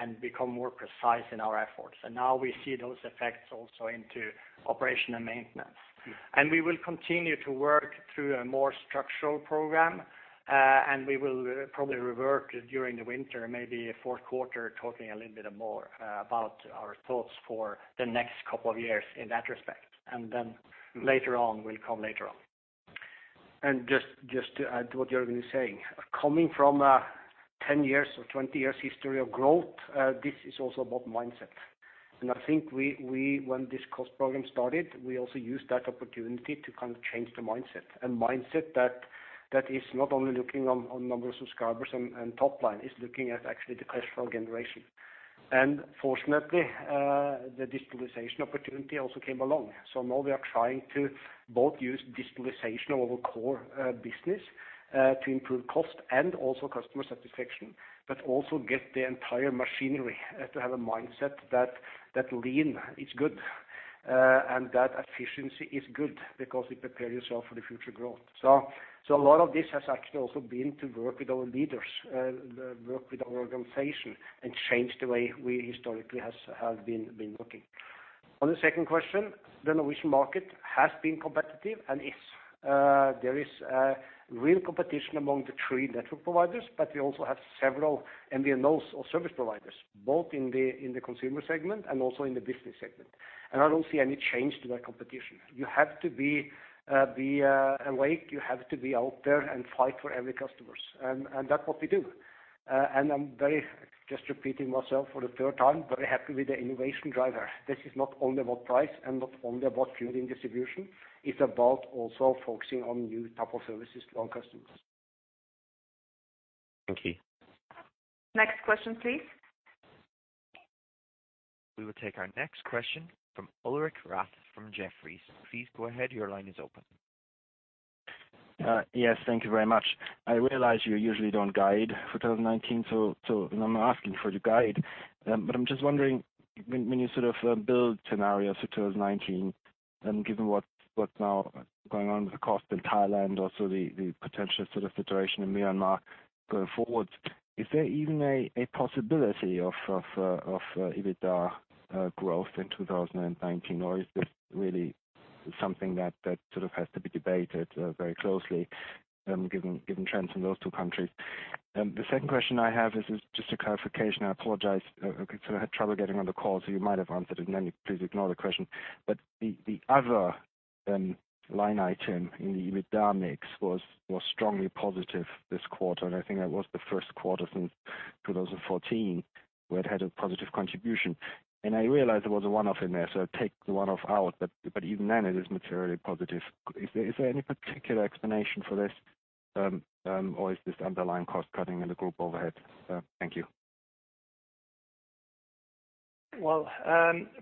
S3: and become more precise in our efforts. Now we see those effects also into operation and maintenance. We will continue to work through a more structural program, and we will probably revert during the winter, maybe fourth quarter, talking a little bit more about our thoughts for the next couple of years in that respect. Then later on, we'll come later on.
S2: Just to add to what Jørgen is saying, coming from 10 years or 20 years history of growth, this is also about mindset. And I think we when this cost program started, we also used that opportunity to kind of change the mindset, a mindset that is not only looking on number of subscribers and top line, it's looking at actually the cash flow generation. And fortunately, the digitalization opportunity also came along. So now we are trying to both use digitalization of our core business to improve cost and also customer satisfaction, but also get the entire machinery to have a mindset that lean is good and that efficiency is good because it prepares yourself for the future growth. So, a lot of this has actually also been to work with our leaders, work with our organization, and change the way we historically have been working. On the second question, the Norwegian market has been competitive, and it's, there is a real competition among the three network providers, but we also have several MVNOs or service providers, both in the consumer segment and also in the business segment. And I don't see any change to that competition. You have to be awake, you have to be out there and fight for every customers, and that's what we do. And I'm very, just repeating myself for the third time, very happy with the innovation driver. This is not only about price and not only about fueling distribution, it's about also focusing on new type of services to our customers.
S12: Thank you.
S1: Next question, please.
S6: We will take our next question from Ulrich Rathe from Jefferies. Please go ahead, your line is open.
S13: Yes, thank you very much. I realize you usually don't guide for 2019, so, so I'm not asking for you to guide. But I'm just wondering, when, when you sort of build scenarios for 2019, and given what's now going on with the cost in Thailand, also the potential sort of situation in Myanmar going forward, is there even a possibility of EBITDA growth in 2019? Or is this really something that sort of has to be debated very closely, given trends in those two countries? The second question I have is just a clarification. I apologize, because I had trouble getting on the call, so you might have answered it, and then please ignore the question. But the other line item in the EBITDA mix was strongly positive this quarter, and I think that was the first quarter since 2014 where it had a positive contribution. And I realize there was a one-off in there, so take the one-off out, but even then, it is materially positive. Is there any particular explanation for this, or is this underlying cost cutting in the group overhead? Thank you.
S3: Well,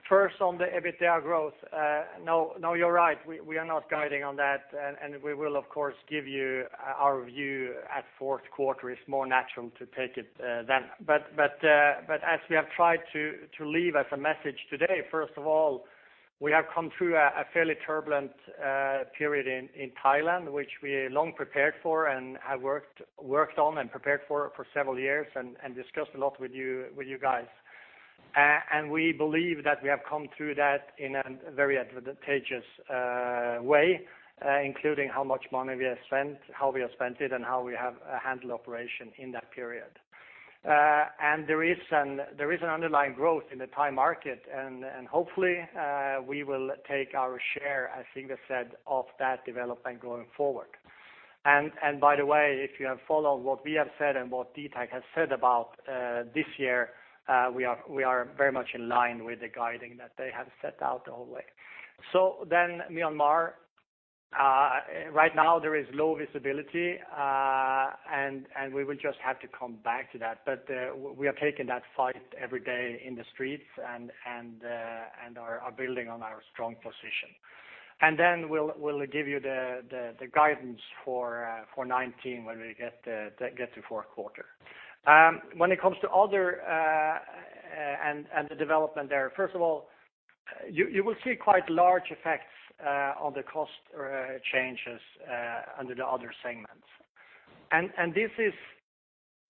S3: first on the EBITDA growth, no, no, you're right. We, we are not guiding on that, and, and we will, of course, give you our view at fourth quarter. It's more natural to take it, then. But, but, but as we have tried to, to leave as a message today, first of all, we have come through a, a fairly turbulent period in, in Thailand, which we long prepared for and have worked, worked on and prepared for, for several years, and, and discussed a lot with you, with you guys. And we believe that we have come through that in a very advantageous way, including how much money we have spent, how we have spent it, and how we have handled operation in that period. And there is an underlying growth in the Thai market, and hopefully we will take our share, as Sigve said, of that development going forward. By the way, if you have followed what we have said and what dtac has said about this year, we are very much in line with the guiding that they have set out all the way. So then Myanmar, right now there is low visibility, and we will just have to come back to that. But we are taking that fight every day in the streets and building on our strong position. Then we will give you the guidance for 2019 when we get to fourth quarter. When it comes to other and the development there, first of all, you will see quite large effects on the cost changes under the other segments.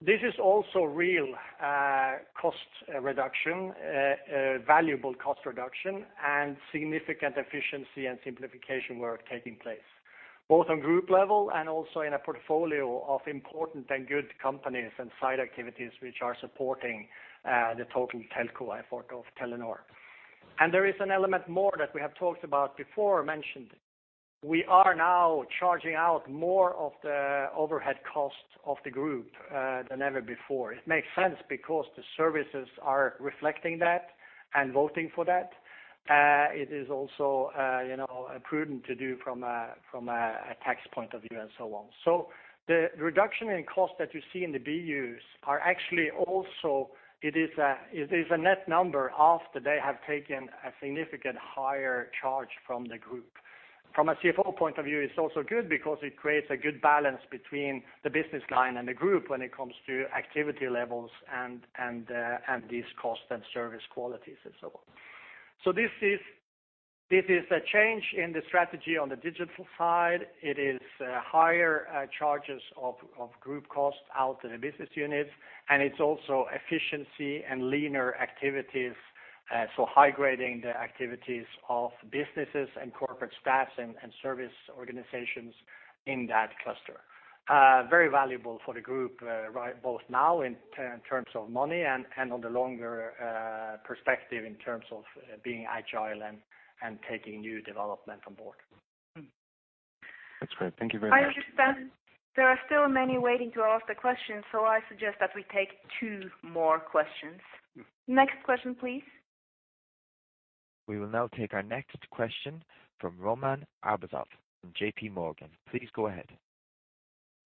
S3: This is also real cost reduction, valuable cost reduction, and significant efficiency and simplification work taking place, both on group level and also in a portfolio of important and good companies and side activities which are supporting the total telco effort of Telenor. There is an element more that we have talked about before, mentioned before. We are now charging out more of the overhead costs of the group than ever before. It makes sense because the services are reflecting that and voting for that. It is also, you know, prudent to do from a tax point of view and so on. So the reduction in costs that you see in the BUs are actually also it is a net number after they have taken a significant higher charge from the group. From a CFO point of view, it's also good because it creates a good balance between the business line and the group when it comes to activity levels and these cost and service qualities and so on. So this is a change in the strategy on the digital side. It is higher charges of group cost out in the business units, and it's also efficiency and leaner activities, so high grading the activities of businesses and corporate staffs and service organizations in that cluster. Very valuable for the group, right, both now in terms of money and on the longer perspective in terms of being agile and taking new development on board.
S13: That's great. Thank you very much.
S1: I understand there are still many waiting to ask the questions, so I suggest that we take two more questions. Next question, please.
S6: We will now take our next question from Roman Arbuzov from JPMorgan. Please go ahead.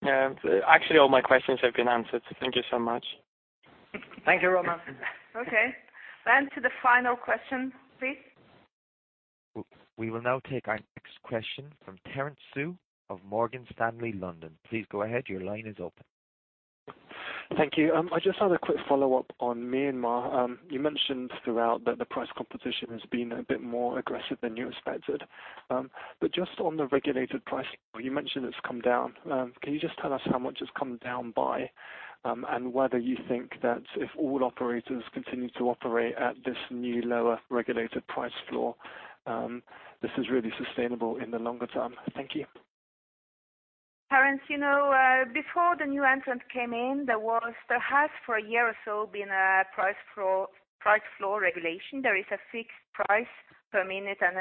S14: Yeah. Actually, all my questions have been answered, so thank you so much.
S3: Thank you, Roman.
S1: Okay, then to the final question, please.
S6: We will now take our next question from Terence Tsui of Morgan Stanley, London. Please go ahead. Your line is open.
S15: Thank you. I just had a quick follow-up on Myanmar. You mentioned throughout that the price competition has been a bit more aggressive than you expected. But just on the regulated price, you mentioned it's come down. Can you just tell us how much it's come down by, and whether you think that if all operators continue to operate at this new lower regulated price floor, this is really sustainable in the longer term? Thank you.
S1: Terence, you know, before the new entrant came in, there has, for a year or so, been a price floor, price floor regulation. There is a fixed price per minute and,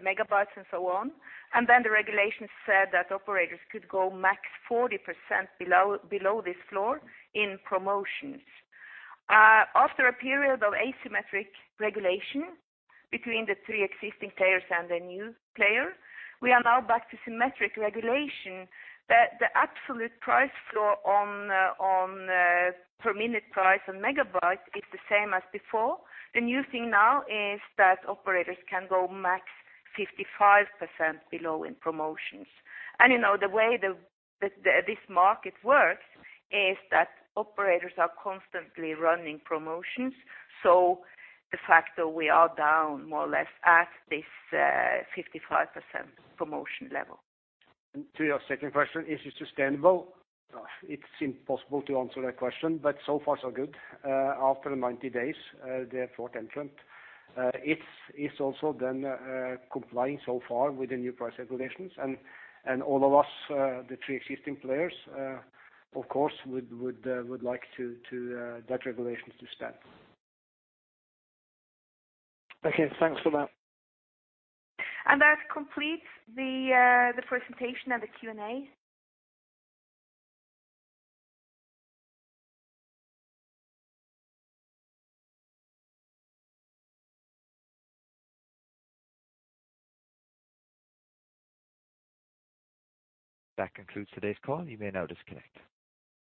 S1: megabytes and so on. And then the regulation said that operators could go max 40% below, below this floor in promotions. After a period of asymmetric regulation between the three existing players and the new player, we are now back to symmetric regulation, that the absolute price floor on, on, per minute price and megabytes is the same as before. The new thing now is that operators can go max 55% below in promotions. And you know, the way the, this, this market works is that operators are constantly running promotions, so de facto, we are down more or less at this, 55% promotion level.
S3: To your second question, is it sustainable? It's impossible to answer that question, but so far, so good. After 90 days, the fourth entrant, it's also been complying so far with the new price regulations. And all of us, the three existing players, of course, would like those regulations to stand.
S15: Okay, thanks for that.
S1: That completes the presentation and the Q&A.
S6: That concludes today's call. You may now disconnect.